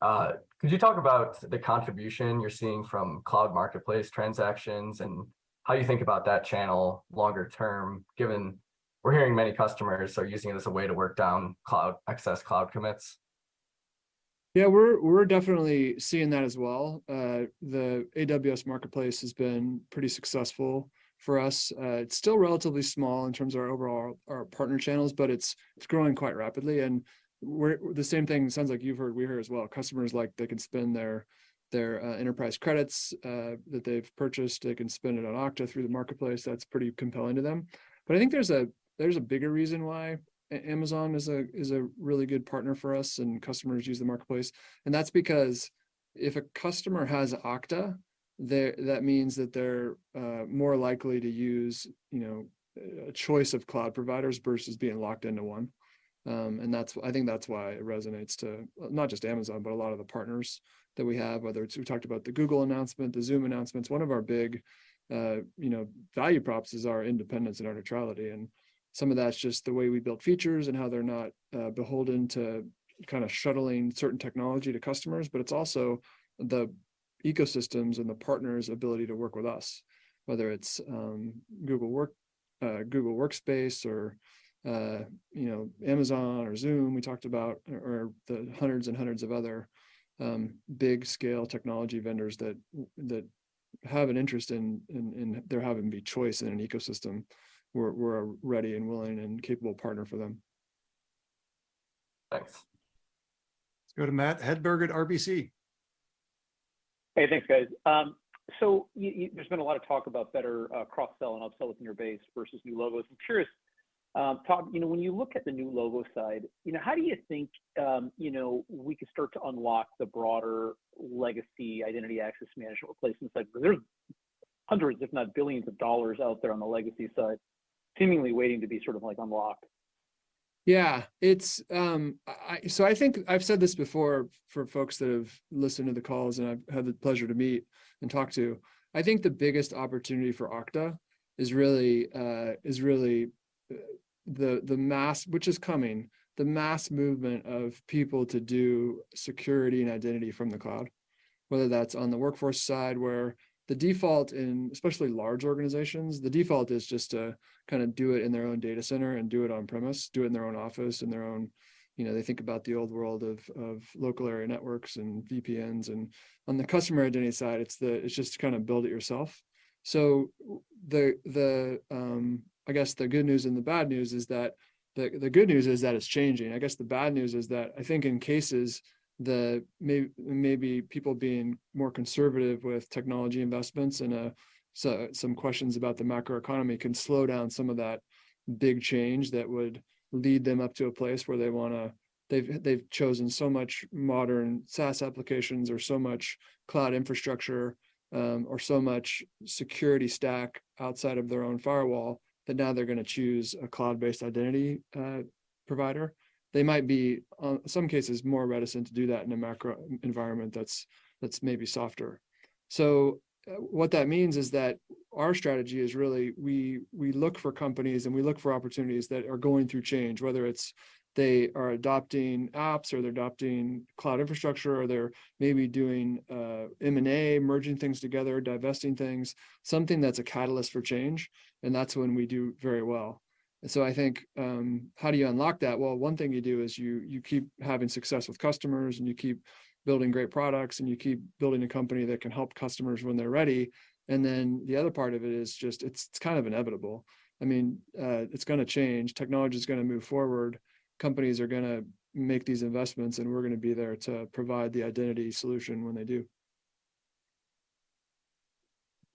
Could you talk about the contribution you're seeing from Cloud Marketplace transactions and how you think about that channel longer term, given we're hearing many customers are using it as a way to work down cloud, excess cloud commits? Yeah, we're definitely seeing that as well. The AWS Marketplace has been pretty successful for us. It's still relatively small in terms of our overall, our partner channels, but it's growing quite rapidly, and the same thing, it sounds like you've heard, we hear as well. Customers, like, they can spend their enterprise credits that they've purchased, they can spend it on Okta through the marketplace. That's pretty compelling to them. I think there's a, there's a bigger reason why Amazon is a, is a really good partner for us, and customers use the marketplace. That's because if a customer has Okta, that means that they're more likely to use, you know, a choice of cloud providers versus being locked into one. That's, I think that's why it resonates to, not just Amazon, but a lot of the partners that we have, whether it's, we talked about the Google announcement, the Zoom announcements. One of our big, you know, value props is our independence and our neutrality, and some of that's just the way we build features and how they're not beholden to kind of shuttling certain technology to customers, but it's also the ecosystems and the partners' ability to work with us, whether it's Google Workspace, or, you know, Amazon or Zoom we talked about, or the hundreds and hundreds of other big-scale technology vendors that have an interest in there having be choice in an ecosystem. We're a ready and willing, and capable partner for them. Thanks. Let's go to Matt Hedberg at RBC. Hey, thanks, guys. There's been a lot of talk about better cross-sell and upsell within your base versus new logos. I'm curious, Todd, you know, when you look at the new logo side, you know, how do you think, you know, we could start to unlock the broader legacy identity access management replacements? Like, there's hundreds if not billions of dollars out there on the legacy side, seemingly waiting to be sort of like unlocked. Yeah, it's, I think I've said this before for folks that have listened to the calls, and I've had the pleasure to meet and talk to. I think the biggest opportunity for Okta is really, is really, the mass, which is coming, the mass movement of people to do security and identity from the cloud. Whether that's on the workforce side, where the default in, especially large organizations, the default is just to kind of do it in their own data center and do it on premise, do it in their own office. You know, they think about the old world of local area networks and VPNs. On the customer identity side, it's just to kind of build it yourself. The good news and the bad news is that the good news is that it's changing. I guess the bad news is that I think in cases, maybe people being more conservative with technology investments and so some questions about the macroeconomy can slow down some of that big change that would lead them up to a place where they've chosen so much modern SaaS applications or so much cloud infrastructure, or so much security stack outside of their own firewall, that now they're gonna choose a cloud-based identity provider. They might be in some cases, more reticent to do that in a macro environment that's maybe softer. What that means is that our strategy is really, we look for companies and we look for opportunities that are going through change, whether it's they are adopting apps or they're adopting cloud infrastructure, or they're maybe doing M&A, merging things together, divesting things, something that's a catalyst for change, and that's when we do very well. I think, how do you unlock that? Well, one thing you do is you keep having success with customers, and you keep building great products, and you keep building a company that can help customers when they're ready. The other part of it is just, it's kind of inevitable. I mean, it's gonna change. Technology's gonna move forward, companies are gonna make these investments, and we're gonna be there to provide the identity solution when they do.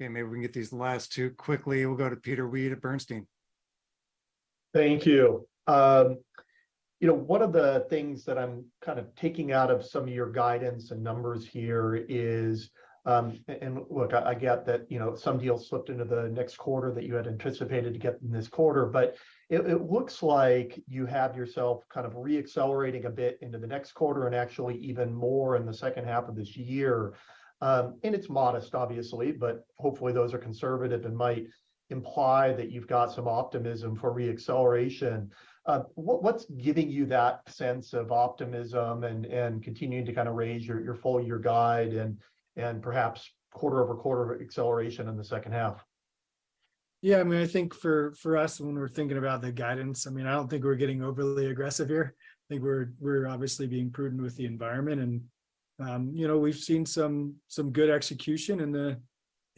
Okay, maybe we can get these last two quickly. We'll go to Peter Weed at Bernstein. Thank you. You know, one of the things that I'm kind of taking out of some of your guidance and numbers here is. Look, I get that, you know, some deals slipped into the next quarter that you had anticipated to get in this quarter, it looks like you have yourself kind of re-accelerating a bit into the next quarter, and actually even more in the second half of this year. It's modest, obviously, but hopefully those are conservative and might imply that you've got some optimism for re-acceleration. What's giving you that sense of optimism and continuing to kind of raise your full-year guide and perhaps quarter-over-quarter acceleration in the second half? I mean, I think for us, when we're thinking about the guidance, I mean, I don't think we're getting overly aggressive here. I think we're obviously being prudent with the environment and, you know, we've seen some good execution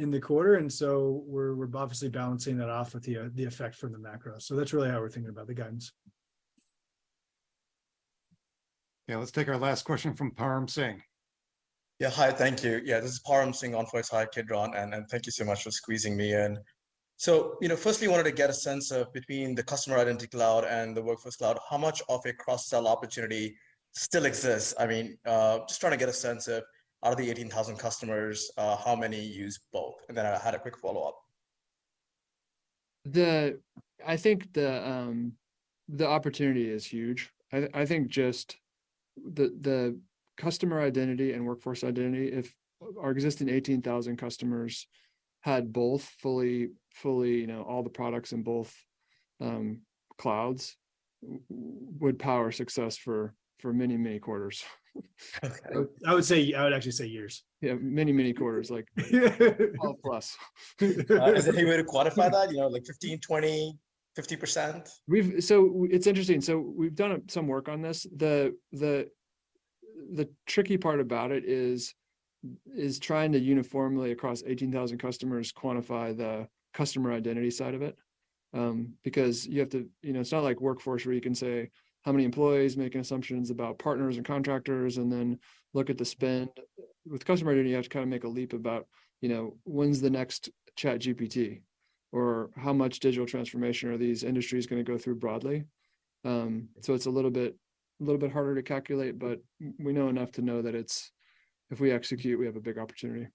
in the quarter, we're obviously balancing that off with the effect from the macro. That's really how we're thinking about the guidance. Yeah, let's take our last question from Param Singh. Yeah, hi, thank you. Yeah, this is Param Singh, on for Shaul Eyal, and thank you so much for squeezing me in. You know, firstly, I wanted to get a sense of between the Customer Identity Cloud and the Workforce Cloud, how much of a cross-sell opportunity still exists? I mean, just trying to get a sense of, out of the 18,000 customers, how many use both? I had a quick follow-up. I think the opportunity is huge. I think just the Customer Identity and Workforce Identity, if our existing 18,000 customers had both fully, you know, all the products in both clouds, would power success for many quarters. Okay. I would say, I would actually say years. Yeah, many quarters, 12+. Is there any way to quantify that? You know, like 15%, 20%, 50%? It's interesting, so we've done some work on this. The tricky part about it is trying to uniformly, across 18,000 customers, quantify the customer identity side of it. Because you know, it's not like Workforce, where you can say how many employees, making assumptions about partners and contractors, and then look at the spend. With customer identity, you have to kind of make a leap about, you know, when's the next ChatGPT, or how much digital transformation are these industries gonna go through broadly? It's a little bit harder to calculate, but we know enough to know that it's, if we execute, we have a big opportunity.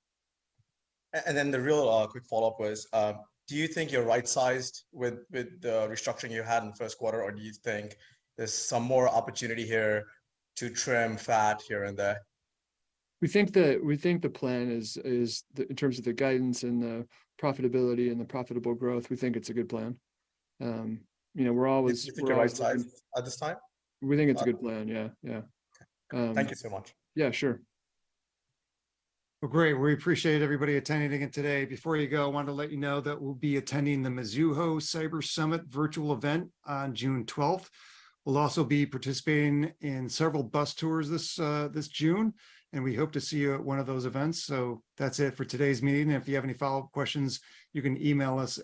The real quick follow-up was, do you think you're right-sized with the restructuring you had in the first quarter, or do you think there's some more opportunity here to trim fat here and there? We think the plan is in terms of the guidance and the profitability and the profitable growth, we think it's a good plan. You know, we're always. Do you think you're right-sized at this time? We think it's a good plan, yeah. Okay. Um... Thank you so much. Yeah, sure. Well, great. We appreciate everybody attending again today. Before you go, I wanted to let you know that we'll be attending the Mizuho Technology Conference virtual event on June 12th. We'll also be participating in several bus tours this June. We hope to see you at one of those events. That's it for today's meeting. If you have any follow-up questions, you can email us at-